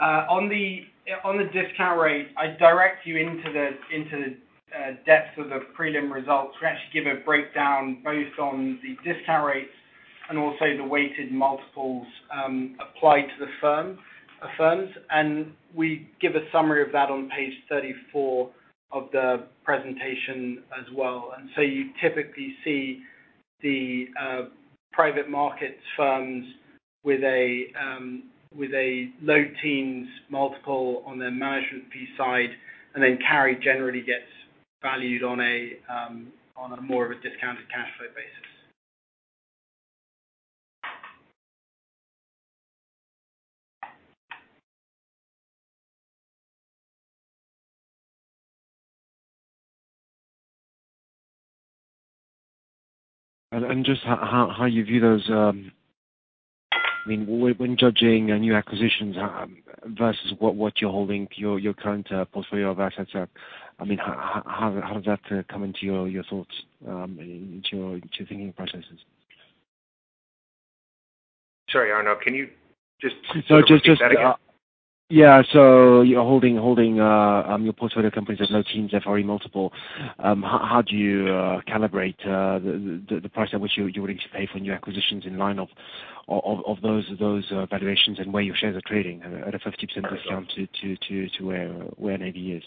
On the discount rate, I direct you into the depths of the prelim results. We actually give a breakdown both on the discount rates and also the weighted multiples applied to the firms. We give a summary of that on page 34 of the presentation as well. You typically see the private markets firms with a low teens multiple on their management fee side, and then carry generally gets valued on a more of a discounted cash flow basis. Just how you view those, I mean, when judging new acquisitions, versus what you're holding your current portfolio of assets are. I mean, how does that come into your thoughts, into your thinking processes? Sorry, Arnaud, can you just say that again? Yeah. you're holding your portfolio companies at low teens FRE multiple. how do you calibrate the price at which you're willing to pay for new acquisitions in line of those valuations and where your shares are trading at a 50% discount to where NAV is?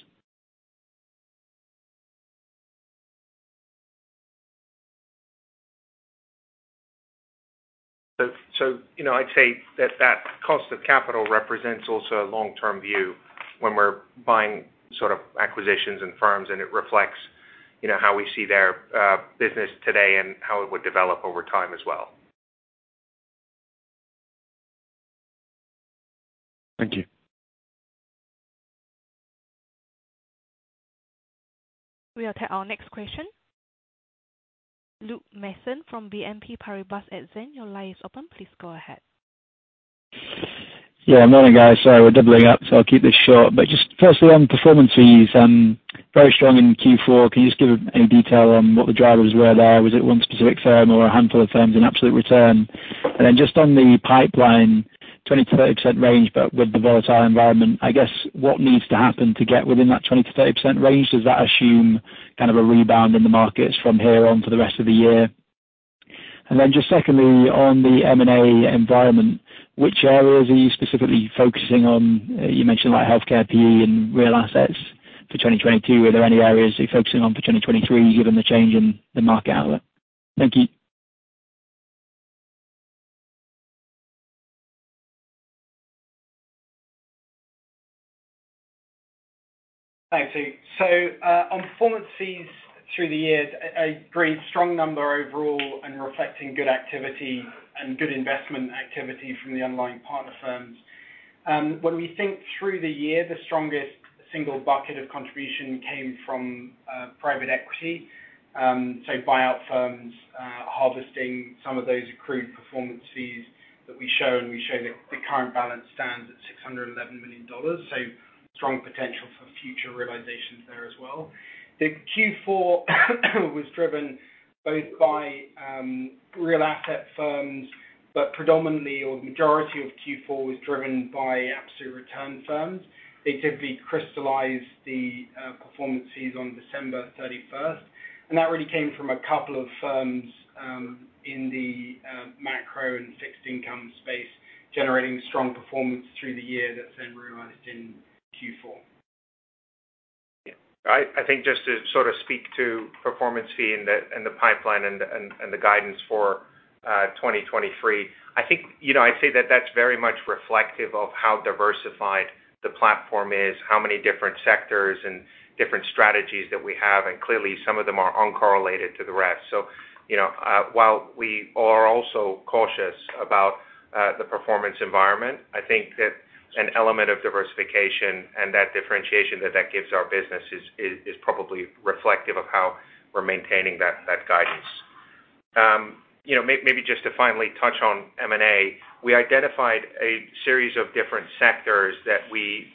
You know, I'd say that that cost of capital represents also a long-term view when we're buying sort of acquisitions and firms, and it reflects, you know, how we see their business today and how it would develop over time as well. Thank you. We'll take our next question. Luke Mason from BNP Paribas. Your line is open. Please go ahead. Yeah. Morning, guys. Sorry, we're doubling up, so I'll keep this short. Just firstly on performances, very strong in Q4. Can you just give any detail on what the drivers were there? Was it one specific firm or a handful of firms in absolute return? Just on the pipeline, 20%-30% range. With the volatile environment, I guess what needs to happen to get within that 20%-30% range? Does that assume kind of a rebound in the markets from here on for the rest of the year? Just secondly, on the M&A environment, which areas are you specifically focusing on? You mentioned like healthcare, PE, and real assets for 2022. Are there any areas you're focusing on for 2023, given the change in the market outlook? Thank you. Thanks, Luke. On performances through the years, a great strong number overall and reflecting good activity and good investment activity from the underlying partner firms. When we think through the year, the strongest single bucket of contribution came from private equity. Buyout firms, harvesting some of those accrued performances that we show, and we show the current balance stands at $611 million. Strong potential for future realizations there as well. The Q4 was driven both by real asset firms, but predominantly or majority of Q4 was driven by absolute return firms. They typically crystallize the performances on December 31st, and that really came from a couple of firms in the macro and fixed income space, generating strong performance through the year that's then realized in Q4. I think just to sort of speak to performance fee and the, and the pipeline and, and the guidance for 2023, I think, you know, I'd say that that's very much reflective of how diversified the platform is, how many different sectors and different strategies that we have, and clearly some of them are uncorrelated to the rest. You know, while we are also cautious about the performance environment, I think that an element of diversification and that differentiation that gives our business is probably reflective of how we're maintaining that guidance. you know, maybe just to finally touch on M&A, we identified a series of different sectors that we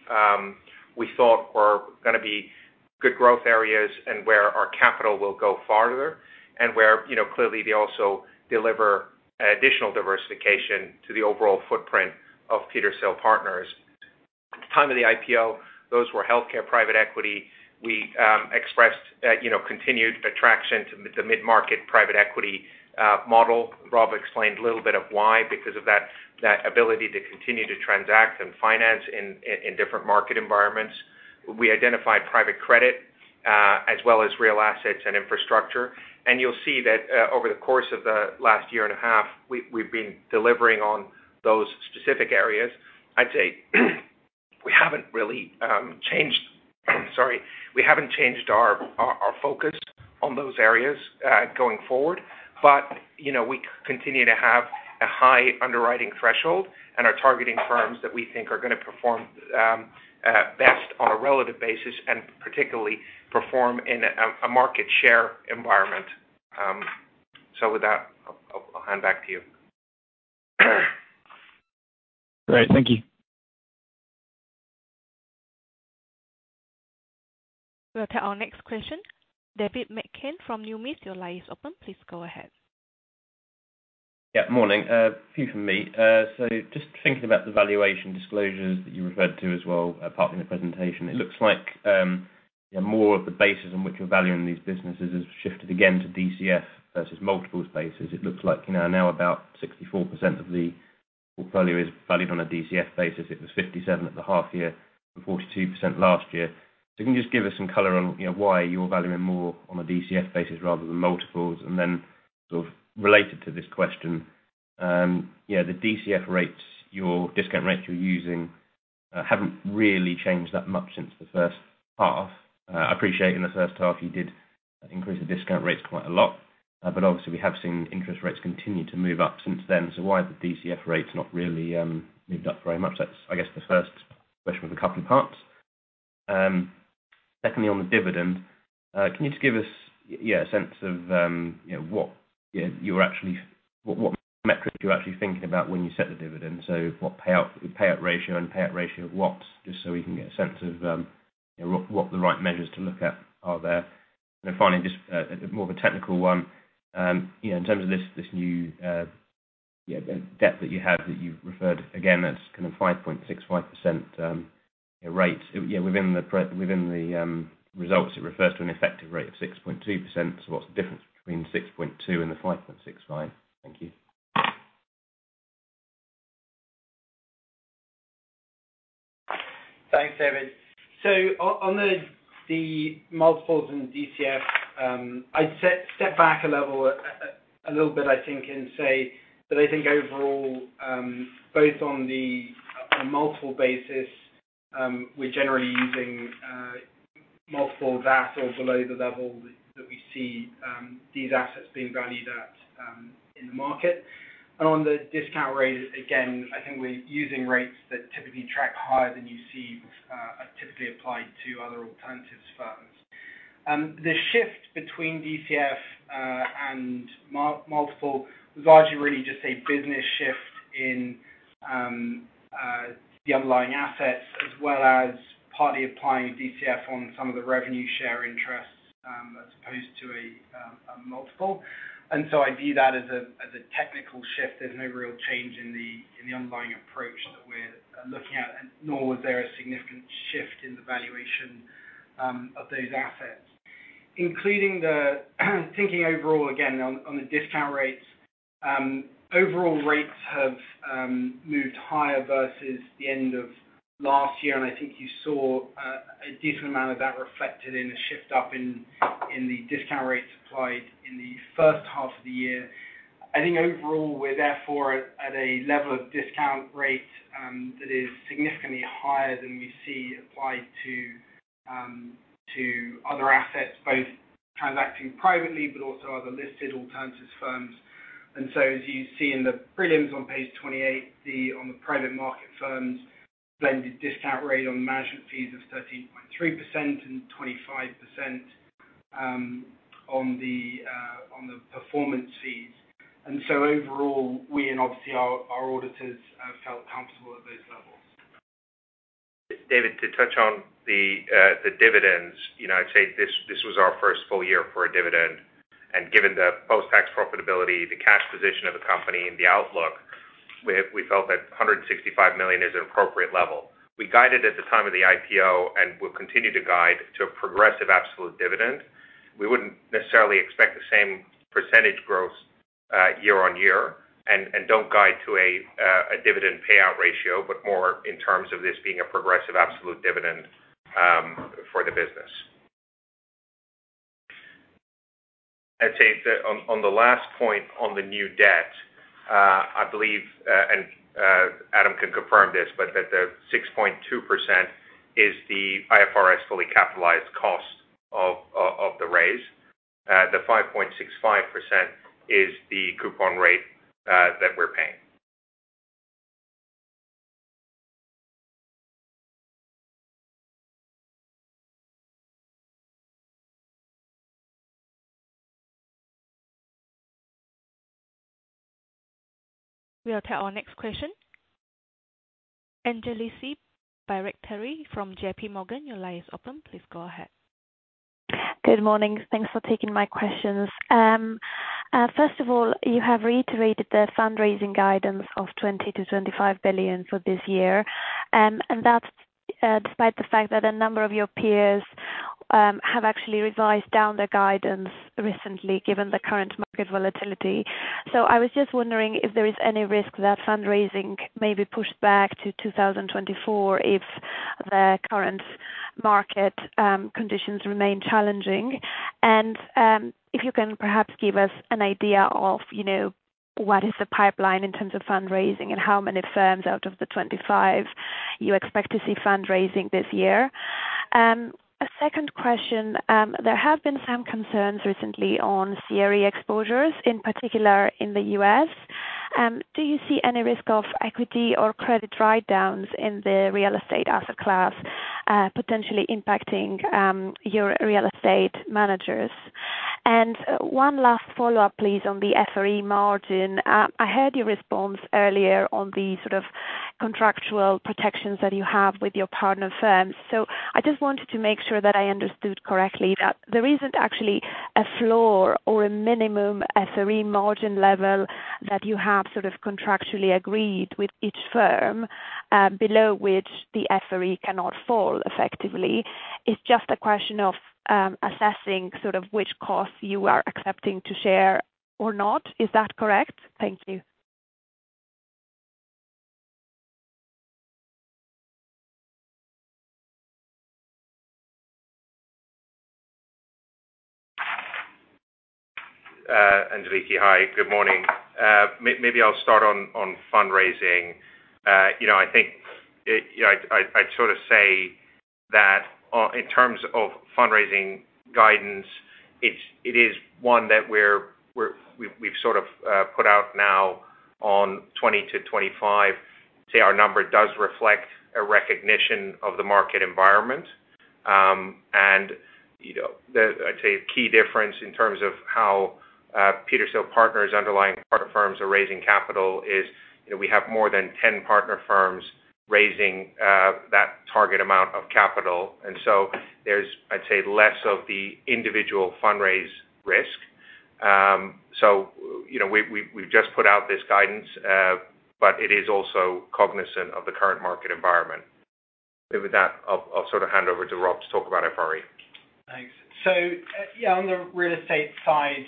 thought were gonna be good growth areas and where our capital will go farther and where, you know, clearly they also deliver additional diversification to the overall footprint of Petershill Partners. At the time of the IPO, those were healthcare private equity. We expressed that, you know, continued attraction to mid-market private equity model. Robert explained a little bit of why, because of that ability to continue to transact and finance in different market environments. We identified private credit, as well as real assets and infrastructure. you'll see that, over the course of the last year and a half, we've been delivering on those specific areas. I'd say we haven't really changed. Sorry. We haven't changed our focus on those areas going forward. You know, we continue to have a high underwriting threshold and are targeting firms that we think are gonna perform best on a relative basis and particularly perform in a market share environment. With that, I'll hand back to you. Great. Thank you. We'll take our next question. David McCann from Numis, your line is open. Please go ahead. Yeah, morning. A few from me. Just thinking about the valuation disclosures that you referred to as well, part in the presentation, it looks like, more of the basis on which you're valuing these businesses has shifted again to DCF versus multiples basis. It looks like, you know, now about 64% of the portfolio is valued on a DCF basis. It was 57 at the half year, and 42% last year. Can you just give us some color on, you know, why you're valuing more on a DCF basis rather than multiples? Then sort of related to this question, yeah, the DCF rates, your discount rate you're using, haven't really changed that much since the first half. I appreciate in the first half you did increase the discount rates quite a lot, but obviously we have seen interest rates continue to move up since then. Why are the DCF rates not really moved up very much? That's, I guess the first question with a couple of parts. Secondly, on the dividend, can you just give us a sense of, you know, what you're actually, what metric you're actually thinking about when you set the dividend? What payout ratio and payout ratio of what? Just so we can get a sense of, you know, what the right measures to look at are there. Finally, just, more of a technical one, you know, in terms of this new, debt that you have, that you referred again, that's kind of 5.65% rate. Within the within the results, it refers to an effective rate of 6.2%. What's the difference between 6.2 and the 5.65? Thank you. Thanks, David. On the multiples and DCF, I'd step back a little bit, I think, say that I think overall, both on a multiple basis, we're generally using multiple that or below the level that we see these assets being valued at in the market. On the discount rate, again, I think we're using rates that typically track higher than you see are typically applied to other alternatives firms. The shift between DCF and multiple was largely really just a business shift in the underlying assets as well as partly applying DCF on some of the revenue share interests as opposed to a multiple. I view that as a technical shift. There's no real change in the underlying approach that we're looking at, nor was there a significant shift in the valuation of those assets. Including the thinking overall, again, on the discount rates, overall rates have moved higher versus the end of last year, and I think you saw a decent amount of that reflected in the shift up in the discount rates applied in the first half of the year. I think overall, we're therefore at a level of discount rate that is significantly higher than we see applied to other assets, both transacting privately, but also other listed alternatives firms. As you see in the prelims on page 28, the, on the private market firms, blended discount rate on management fees of 13.3% and 25% on the performance fees. Overall, we and obviously our auditors have felt comfortable at those levels. David, to touch on the dividends, you know, I'd say this was our first full year for a dividend, and given the post-tax profitability, the cash position of the company and the outlook, we felt that $165 million is an appropriate level. We guided at the time of the IPO and will continue to guide to a progressive absolute dividend. We wouldn't necessarily expect the same percentage growth. Don't guide to a dividend payout ratio, but more in terms of this being a progressive absolute dividend for the business. I'd say that on the last point on the new debt, I believe, and Adam can confirm this, but that the 6.2% is the IFRS fully capitalized cost of the raise. The 5.65% is the coupon rate that we're paying. We'll take our next question. Angeliki Bairaktari from J.P. Morgan. Your line is open, please go ahead. Good morning. Thanks for taking my questions. First of all, you have reiterated the fundraising guidance of $20 billion-$25 billion for this year. That's despite the fact that a number of your peers have actually revised down their guidance recently given the current market volatility. I was just wondering if there is any risk that fundraising may be pushed back to 2024 if the current market conditions remain challenging. If you can perhaps give us an idea of, you know, what is the pipeline in terms of fundraising and how many firms out of the 25 you expect to see fundraising this year. A second question. There have been some concerns recently on CRE exposures, in particular in the U.S. Do you see any risk of equity or credit write downs in the real estate asset class, potentially impacting your real estate managers? One last follow-up please on the FRE margin. I heard your response earlier on the sort of contractual protections that you have with your partner firms. I just wanted to make sure that I understood correctly that there isn't actually a floor or a minimum FRE margin level that you have sort of contractually agreed with each firm, below which the FRE cannot fall effectively. It's just a question of assessing sort of which costs you are accepting to share or not. Is that correct? Thank you. Angeliki, hi, good morning. Maybe I'll start on fundraising. You know, I'd sort of say that, in terms of fundraising guidance, it's, it is one that we've sort of put out now on 20-25. Say our number does reflect a recognition of the market environment. You know, the, I'd say key difference in terms of how Petershill Partners' underlying partner firms are raising capital is, you know, we have more than 10 partner firms raising that target amount of capital. There's, I'd say, less of the individual fundraise risk. You know, we've just put out this guidance, but it is also cognizant of the current market environment. With that, I'll sort of hand over to Robe to talk about FRE. Thanks. Yeah, on the real estate side,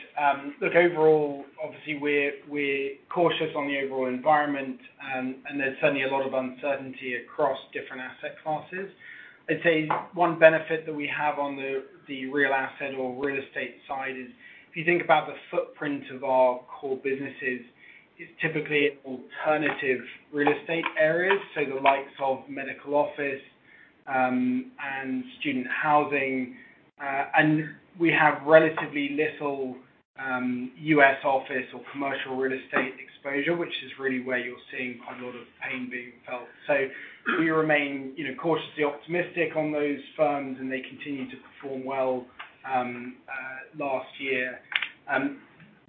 look, overall, obviously we're cautious on the overall environment, and there's certainly a lot of uncertainty across different asset classes. I'd say one benefit that we have on the real asset or real estate side is if you think about the footprint of our core businesses is typically alternative real estate areas, so the likes of medical office, and student housing. And we have relatively little U.S. office or commercial real estate exposure, which is really where you're seeing quite a lot of pain being felt. We remain, you know, cautiously optimistic on those firms, and they continued to perform well last year,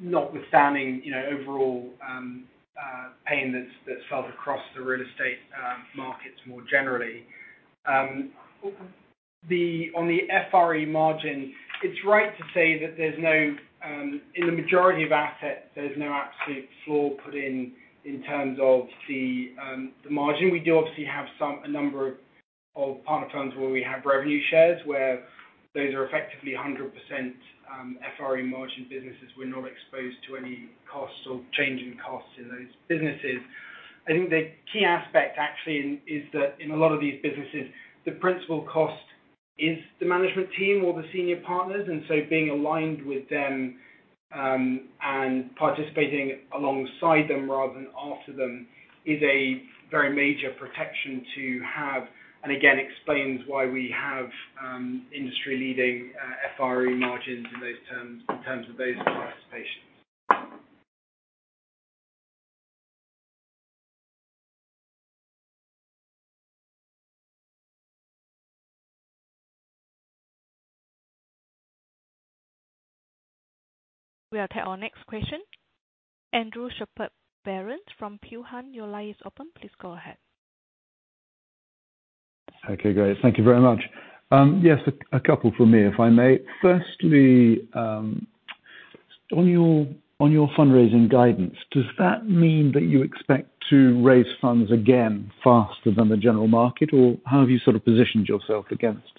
notwithstanding, you know, overall pain that's felt across the real estate markets more generally. On the FRE margin, it's right to say that there's no, in the majority of assets, there's no absolute floor put in in terms of the margin. We do obviously have some, a number of partner firms where we have revenue shares, where those are effectively 100% FRE margin businesses. We're not exposed to any costs or change in costs in those businesses. I think the key aspect actually is that in a lot of these businesses, the principal cost is the management team or the senior partners. Being aligned with them, and participating alongside them rather than after them is a very major protection to have. Again, explains why we have industry-leading FRE margins in those terms, in terms of those participations. We'll take our next question. Andrew Shepherd-Barron from Peel Hunt, your line is open. Please go ahead. Okay, great. Thank you very much. Yes, a couple from me, if I may. Firstly, on your fundraising guidance, does that mean that you expect to raise funds again faster than the general market, or how have you sort of positioned yourself against that?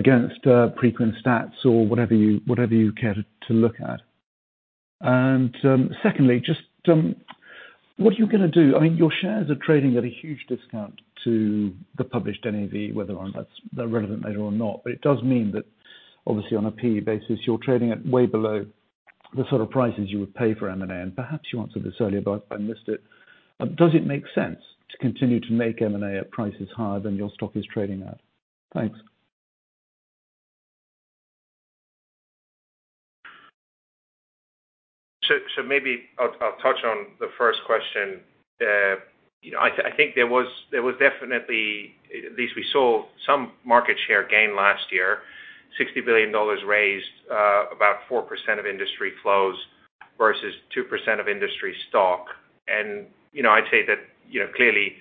Against Preqin stats or whatever you, whatever you care to look at. Secondly, just what are you gonna do? I mean, your shares are trading at a huge discount to the published NAV, whether or not that's relevant later or not. It does mean that obviously on a PE basis, you're trading at way below the sort of prices you would pay for M&A. Perhaps you answered this earlier, but I missed it. Does it make sense to continue to make M&A at prices higher than your stock is trading at? Thanks. Maybe I'll touch on the first question. you know, I think there was definitely, at least we saw some market share gain last year, $60 billion raised, about 4% of industry flows versus 2% of industry stock. you know, I'd say that, you know, clearly,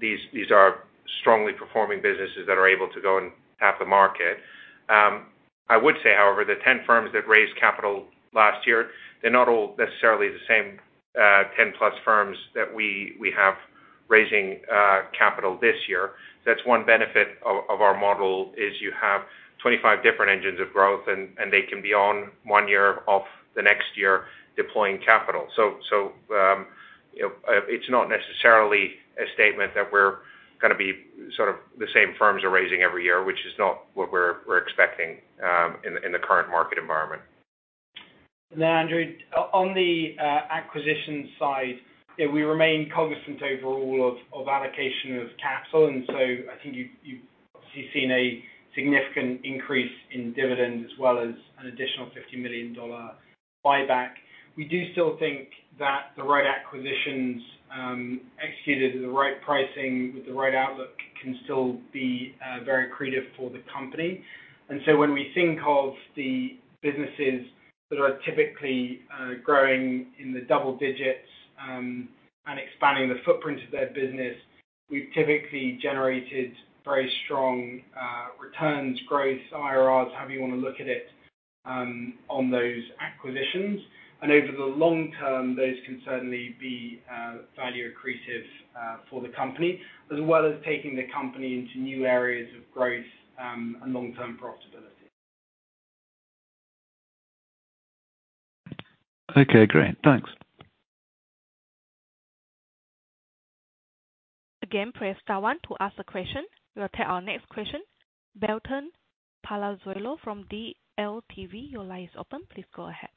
these are strongly performing businesses that are able to go and tap the market. I would say, however, the 10 firms that raised capital last year, they're not all necessarily the same, 10 plus firms that we have raising, capital this year. That's one benefit of our model is you have 25 different engines of growth, and they can be on one year off the next year deploying capital. You know, it's not necessarily a statement that we're gonna be sort of the same firms are raising every year, which is not what we're expecting in the current market environment. Andrew, on the acquisition side, we remain cognizant overall of allocation of capital. I think you've obviously seen a significant increase in dividends as well as an additional $50 million buyback. We do still think that the right acquisitions, executed at the right pricing with the right outlook can still be very accretive for the company. When we think of the businesses that are typically growing in the double digits, and expanding the footprint of their business, we've typically generated very strong returns, growth, IRRs, however you wanna look at it, on those acquisitions. Over the long term, those can certainly be value accretive for the company, as well as taking the company into new areas of growth, and long-term profitability. Okay, great. Thanks. Again, press star one to ask a question. We'll take our next question. Beltran Palazuelo from DLTV. Your line is open. Please go ahead.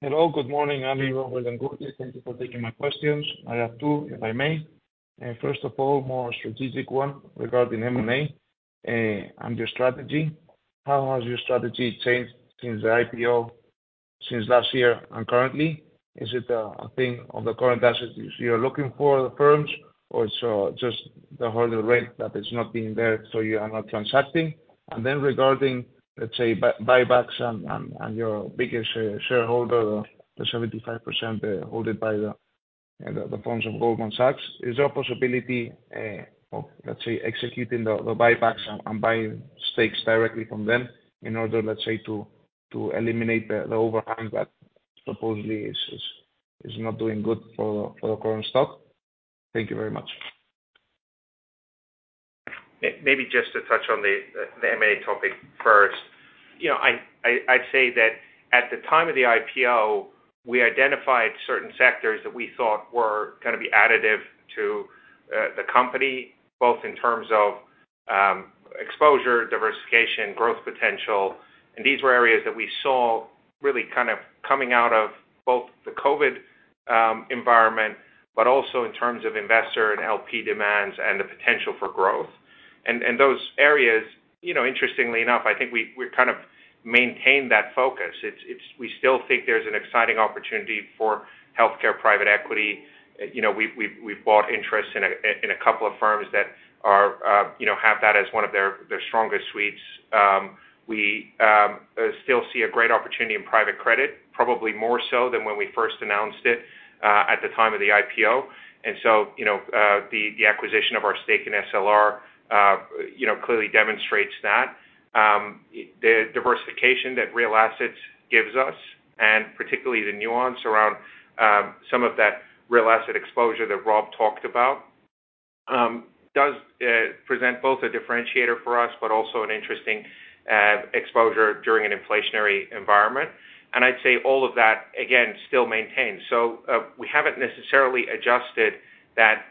Hello, good morning. I'm here with Ali Raissi. Thank you for taking my questions. I have two, if I may. First of all, more strategic one regarding M&A, and your strategy. How has your strategy changed since the IPO, since last year and currently? Is it a thing of the current assets you're looking for the firms or it's just the hurdle rate that is not being there, so you are not transacting? Regarding, let's say, buybacks and, and your biggest shareholder, the 75%, held by the, the firms of Goldman Sachs. Is there a possibility, of, let's say, executing the buybacks and buying stakes directly from them in order, let's say, to eliminate the overhang that supposedly is, is not doing good for the, for the current stock? Thank you very much. Maybe just to touch on the M&A topic first. You know, I'd say that at the time of the IPO, we identified certain sectors that we thought were gonna be additive to the company, both in terms of exposure, diversification, growth potential. These were areas that we saw really kind of coming out of both the COVID environment, but also in terms of investor and LP demands and the potential for growth. Those areas, you know, interestingly enough, I think we kind of maintain that focus. We still think there's an exciting opportunity for healthcare private equity. You know, we've bought interest in a couple of firms that are, you know, have that as one of their strongest suites. We still see a great opportunity in private credit, probably more so than when we first announced it at the time of the IPO. You know, the acquisition of our stake in SLR, you know, clearly demonstrates that. The diversification that real assets gives us, and particularly the nuance around some of that real asset exposure that Robert talked about, does present both a differentiator for us, but also an interesting exposure during an inflationary environment. I'd say all of that, again, still maintained. We haven't necessarily adjusted that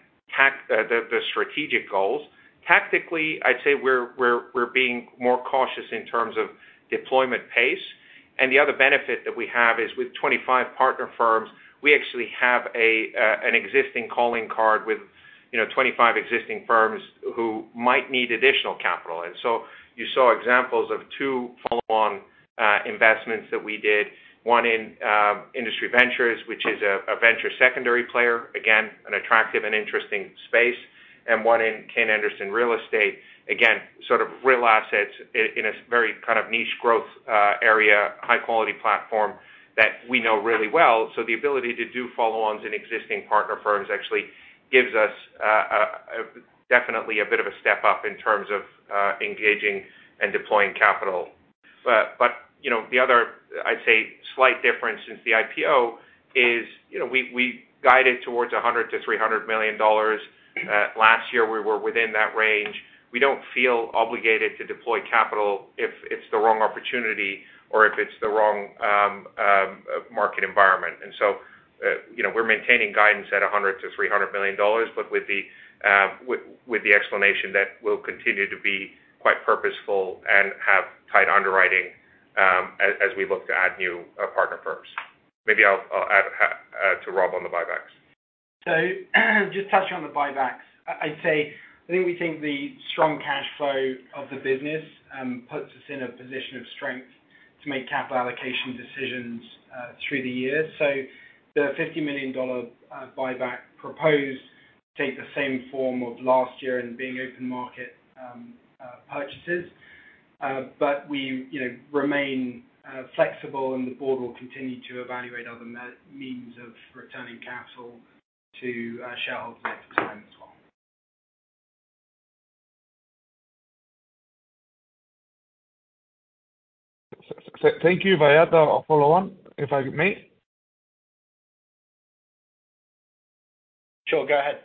the strategic goals. Tactically, I'd say we're being more cautious in terms of deployment pace. The other benefit that we have is with 25 partner firms, we actually have a, an existing calling card with, you know, 25 existing firms who might need additional capital. You saw examples of 2 follow-on investments that we did, one in Industry Ventures, which is a venture secondary player, again, an attractive and interesting space, and one in Kayne Anderson Real Estate. Again, sort of real assets in a very kind of niche growth area, high quality platform that we know really well. The ability to do follow-ons in existing partner firms actually gives us, definitely a bit of a step up in terms of, engaging and deploying capital. You know, the other, I'd say slight difference since the IPO is, you know, we guided towards $100 million-$300 million. Last year, we were within that range. We don't feel obligated to deploy capital if it's the wrong opportunity or if it's the wrong market environment. you know, we're maintaining guidance at $100 million-$300 million, but with the explanation that we'll continue to be quite purposeful and have tight underwriting as we look to add new partner firms. Maybe I'll add to Robert on the buybacks. Just touching on the buybacks. I'd say, I think we think the strong cash flow of the business puts us in a position of strength to make capital allocation decisions through the year. The $50 million buyback proposed take the same form of last year and being open market purchases. We, you know, remain flexible and the board will continue to evaluate other means of returning capital to shareholders next time as well. Thank you. May I have the follow on, if I may? Sure. Go ahead.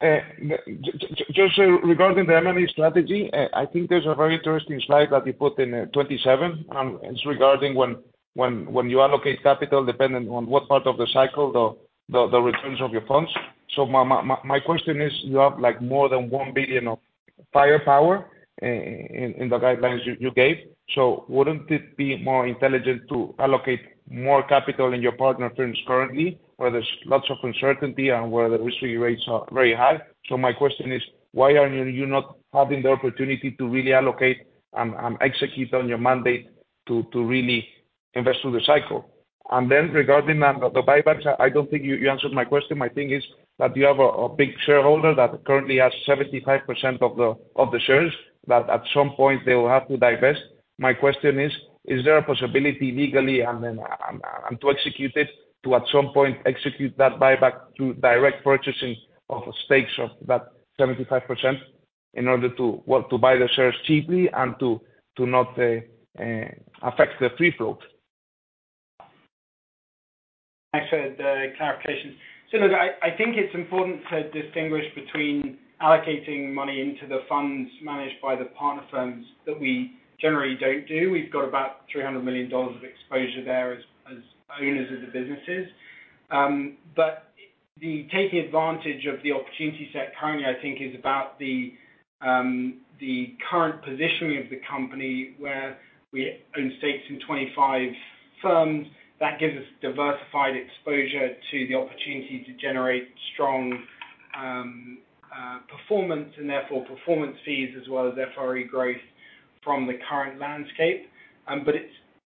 Just regarding the M&A strategy, I think there's a very interesting slide that you put in 27. It's regarding when you allocate capital dependent on what part of the cycle the returns of your funds. My question is, you have like more than $1 billion of firepower in the guidelines you gave. Wouldn't it be more intelligent to allocate more capital in your partner firms currently, where there's lots of uncertainty and where the risk free rates are very high. My question is, why are you not having the opportunity to really allocate and execute on your mandate to really invest through the cycle? Regarding the buybacks, I don't think you answered my question. My thing is that you have a big shareholder that currently has 75% of the shares that at some point they will have to divest. My question is there a possibility legally and then, and to execute it to at some point execute that buyback through direct purchasing of stakes of that 75% in order to, well, to buy the shares cheaply and to not affect the free float? Thanks for the clarification. Look, I think it's important to distinguish between allocating money into the funds managed by the partner firms that we generally don't do. We've got about $300 million of exposure there as owners of the businesses. The taking advantage of the opportunity set currently, I think is about the current positioning of the company where we own stakes in 25 firms. That gives us diversified exposure to the opportunity to generate strong performance and therefore performance fees as well as FRE growth from the current landscape.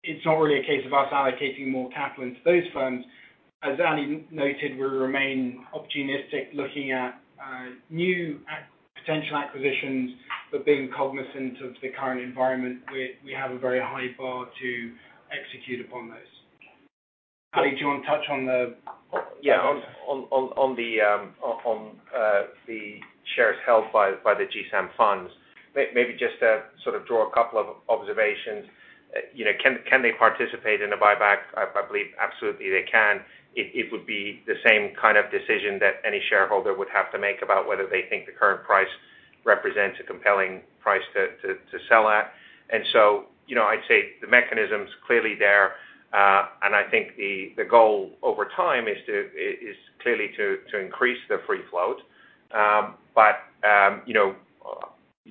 It's not really a case of us allocating more capital into those firms. As Ali noted, we remain opportunistic looking at new potential acquisitions, but being cognizant of the current environment, we have a very high bar to execute upon those. Ali, do you want to touch on? Yeah. On the shares held by the GSAM funds. Maybe just to sort of draw a couple of observations. You know, can they participate in a buyback? I believe absolutely they can. It would be the same kind of decision that any shareholder would have to make about whether they think the current price represents a compelling price to sell at. You know, I'd say the mechanism's clearly there. I think the goal over time is clearly to increase the free float. You know,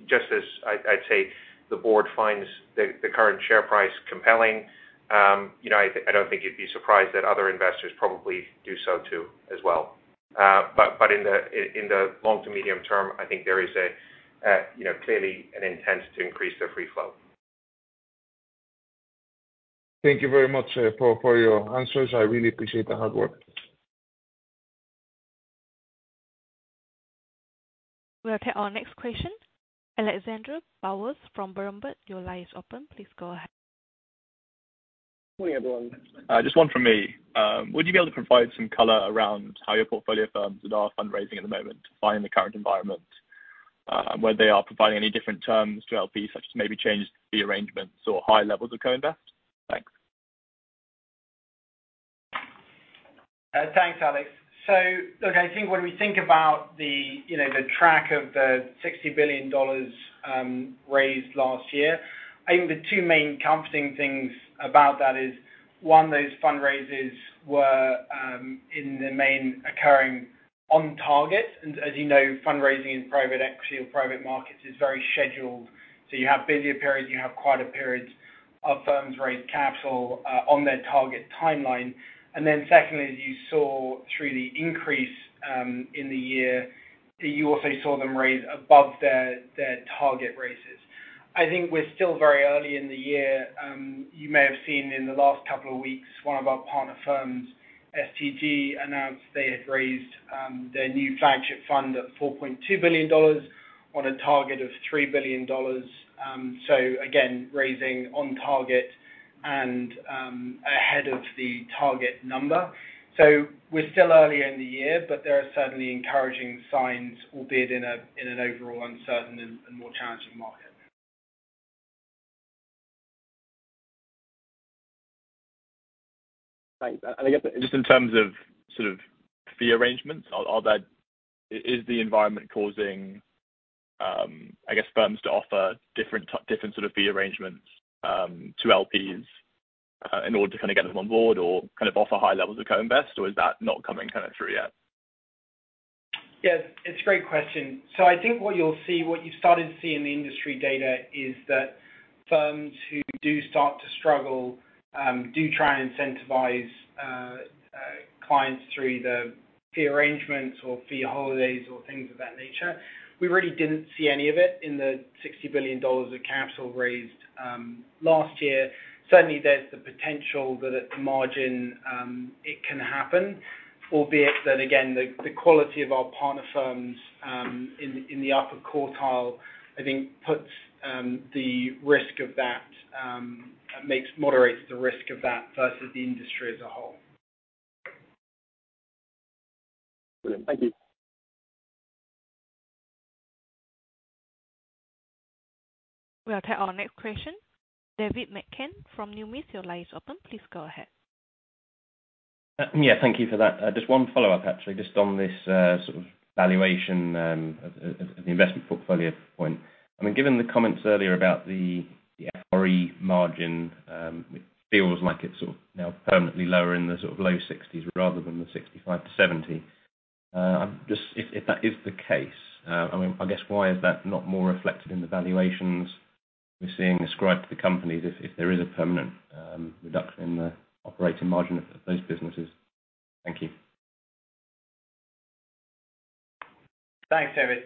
just as I'd say the board finds the current share price compelling, you know, I don't think you'd be surprised that other investors probably do so too as well. In the long to medium term, I think there is a, you know, clearly an intent to increase their free flow. Thank you very much for your answers. I really appreciate the hard work. We'll take our next question. Alexander Bowers from Berenberg, your line is open. Please go ahead. Good morning, everyone. Just one from me. Would you be able to provide some color around how your portfolio firms that are fundraising at the moment are faring in the current environment, and whether they are providing any different terms to LPs, such as maybe change the arrangements or high levels of co-invest? Thanks. Thanks, Alexander. Look, I think when we think about the, you know, the track of the $60 billion raised last year, I think the two main comforting things about that is, one, those fundraisers were in the main occurring on target. As you know, fundraising in private equity or private markets is very scheduled, so you have busier periods, you have quieter periods of firms raised capital on their target timeline. Secondly, as you saw through the increase in the year, you also saw them raise above their target raises. I think we're still very early in the year. You may have seen in the last couple of weeks, one of our partner firms, STG, announced they had raised their new flagship fund at $4.2 billion on a target of $3 billion. Again, raising on target. Ahead of the target number. We're still early in the year, but there are certainly encouraging signs, albeit in an overall uncertain and more challenging market. Right. I guess just in terms of sort of fee arrangements, is the environment causing, I guess firms to offer different sort of fee arrangements to LPs in order to kinda get them on board or kind of offer high levels of co-invest, or is that not coming kinda through yet? Yeah. It's a great question. I think what you'll see, what you've started to see in the industry data is that firms who do start to struggle, do try and incentivize clients through the fee arrangements or fee holidays or things of that nature. We really didn't see any of it in the $60 billion of capital raised last year. Certainly, there's the potential that at the margin, it can happen, albeit then again, the quality of our partner firms in the upper quartile, I think moderates the risk of that versus the industry as a whole. Brilliant. Thank you. We'll take our next question. David McCann from Numis, your line is open. Please go ahead. Yeah, thank you for that. Just one follow-up actually, just on this sort of valuation of the investment portfolio point. I mean, given the comments earlier about the FRE margin, it feels like it's sort of now permanently lower in the sort of low 60s% rather than the 65%-70%. If that is the case, I mean, I guess why is that not more reflected in the valuations we're seeing ascribed to the companies if there is a permanent reduction in the operating margin of those businesses? Thank you. Thanks, David.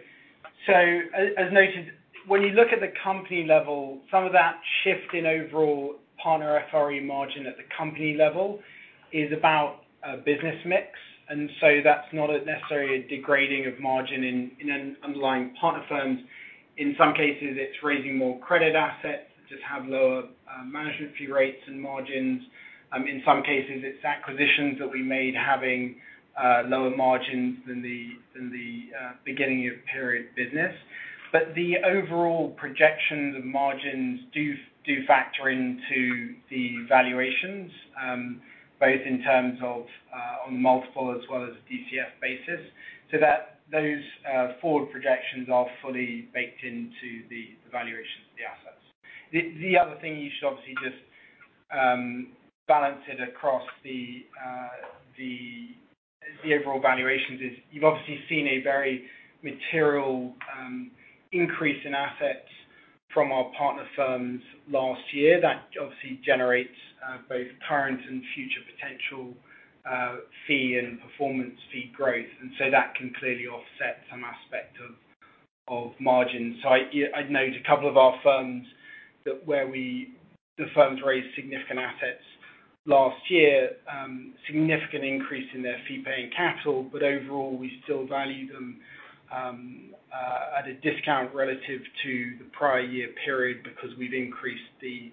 As noted, when you look at the company level, some of that shift in overall partner FRE margin at the company level is about business mix. That's not a necessarily a degrading of margin in an underlying partner firms. In some cases, it's raising more credit assets, which just have lower management fee rates and margins. In some cases, it's acquisitions that we made having lower margins than the beginning of period business. The overall projections of margins do factor into the valuations, both in terms of on multiple as well as a DCF basis, so that those forward projections are fully baked into the evaluations of the assets. The other thing you should obviously just balance it across the overall valuations is you've obviously seen a very material increase in assets from our partner firms last year. That obviously generates both current and future potential fee and performance fee growth. That can clearly offset some aspect of margin. I, yeah, I'd note a couple of our firms that the firms raised significant assets last year, significant increase in their fee-paying capital. Overall, we still value them at a discount relative to the prior year period because we've increased the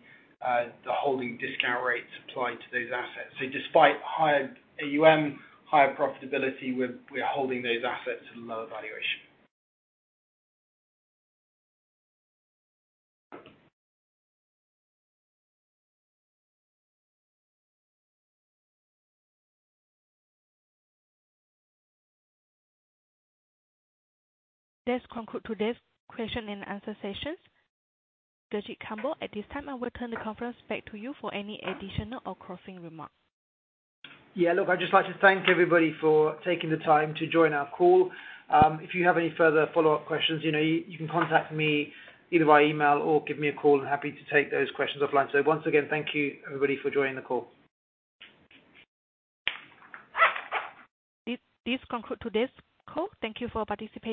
holding discount rates applied to those assets. Despite higher AUM, higher profitability, we're holding those assets at a lower valuation. This concludes today's question and answer session. Gurjit Kambo, at this time, I will turn the conference back to you for any additional or closing remarks. Yeah. Look, I'd just like to thank everybody for taking the time to join our call. If you have any further follow-up questions, you know, you can contact me either via email or give me a call. I'm happy to take those questions offline. Once again, thank you everybody for joining the call. This conclude today's call. Thank you for participating.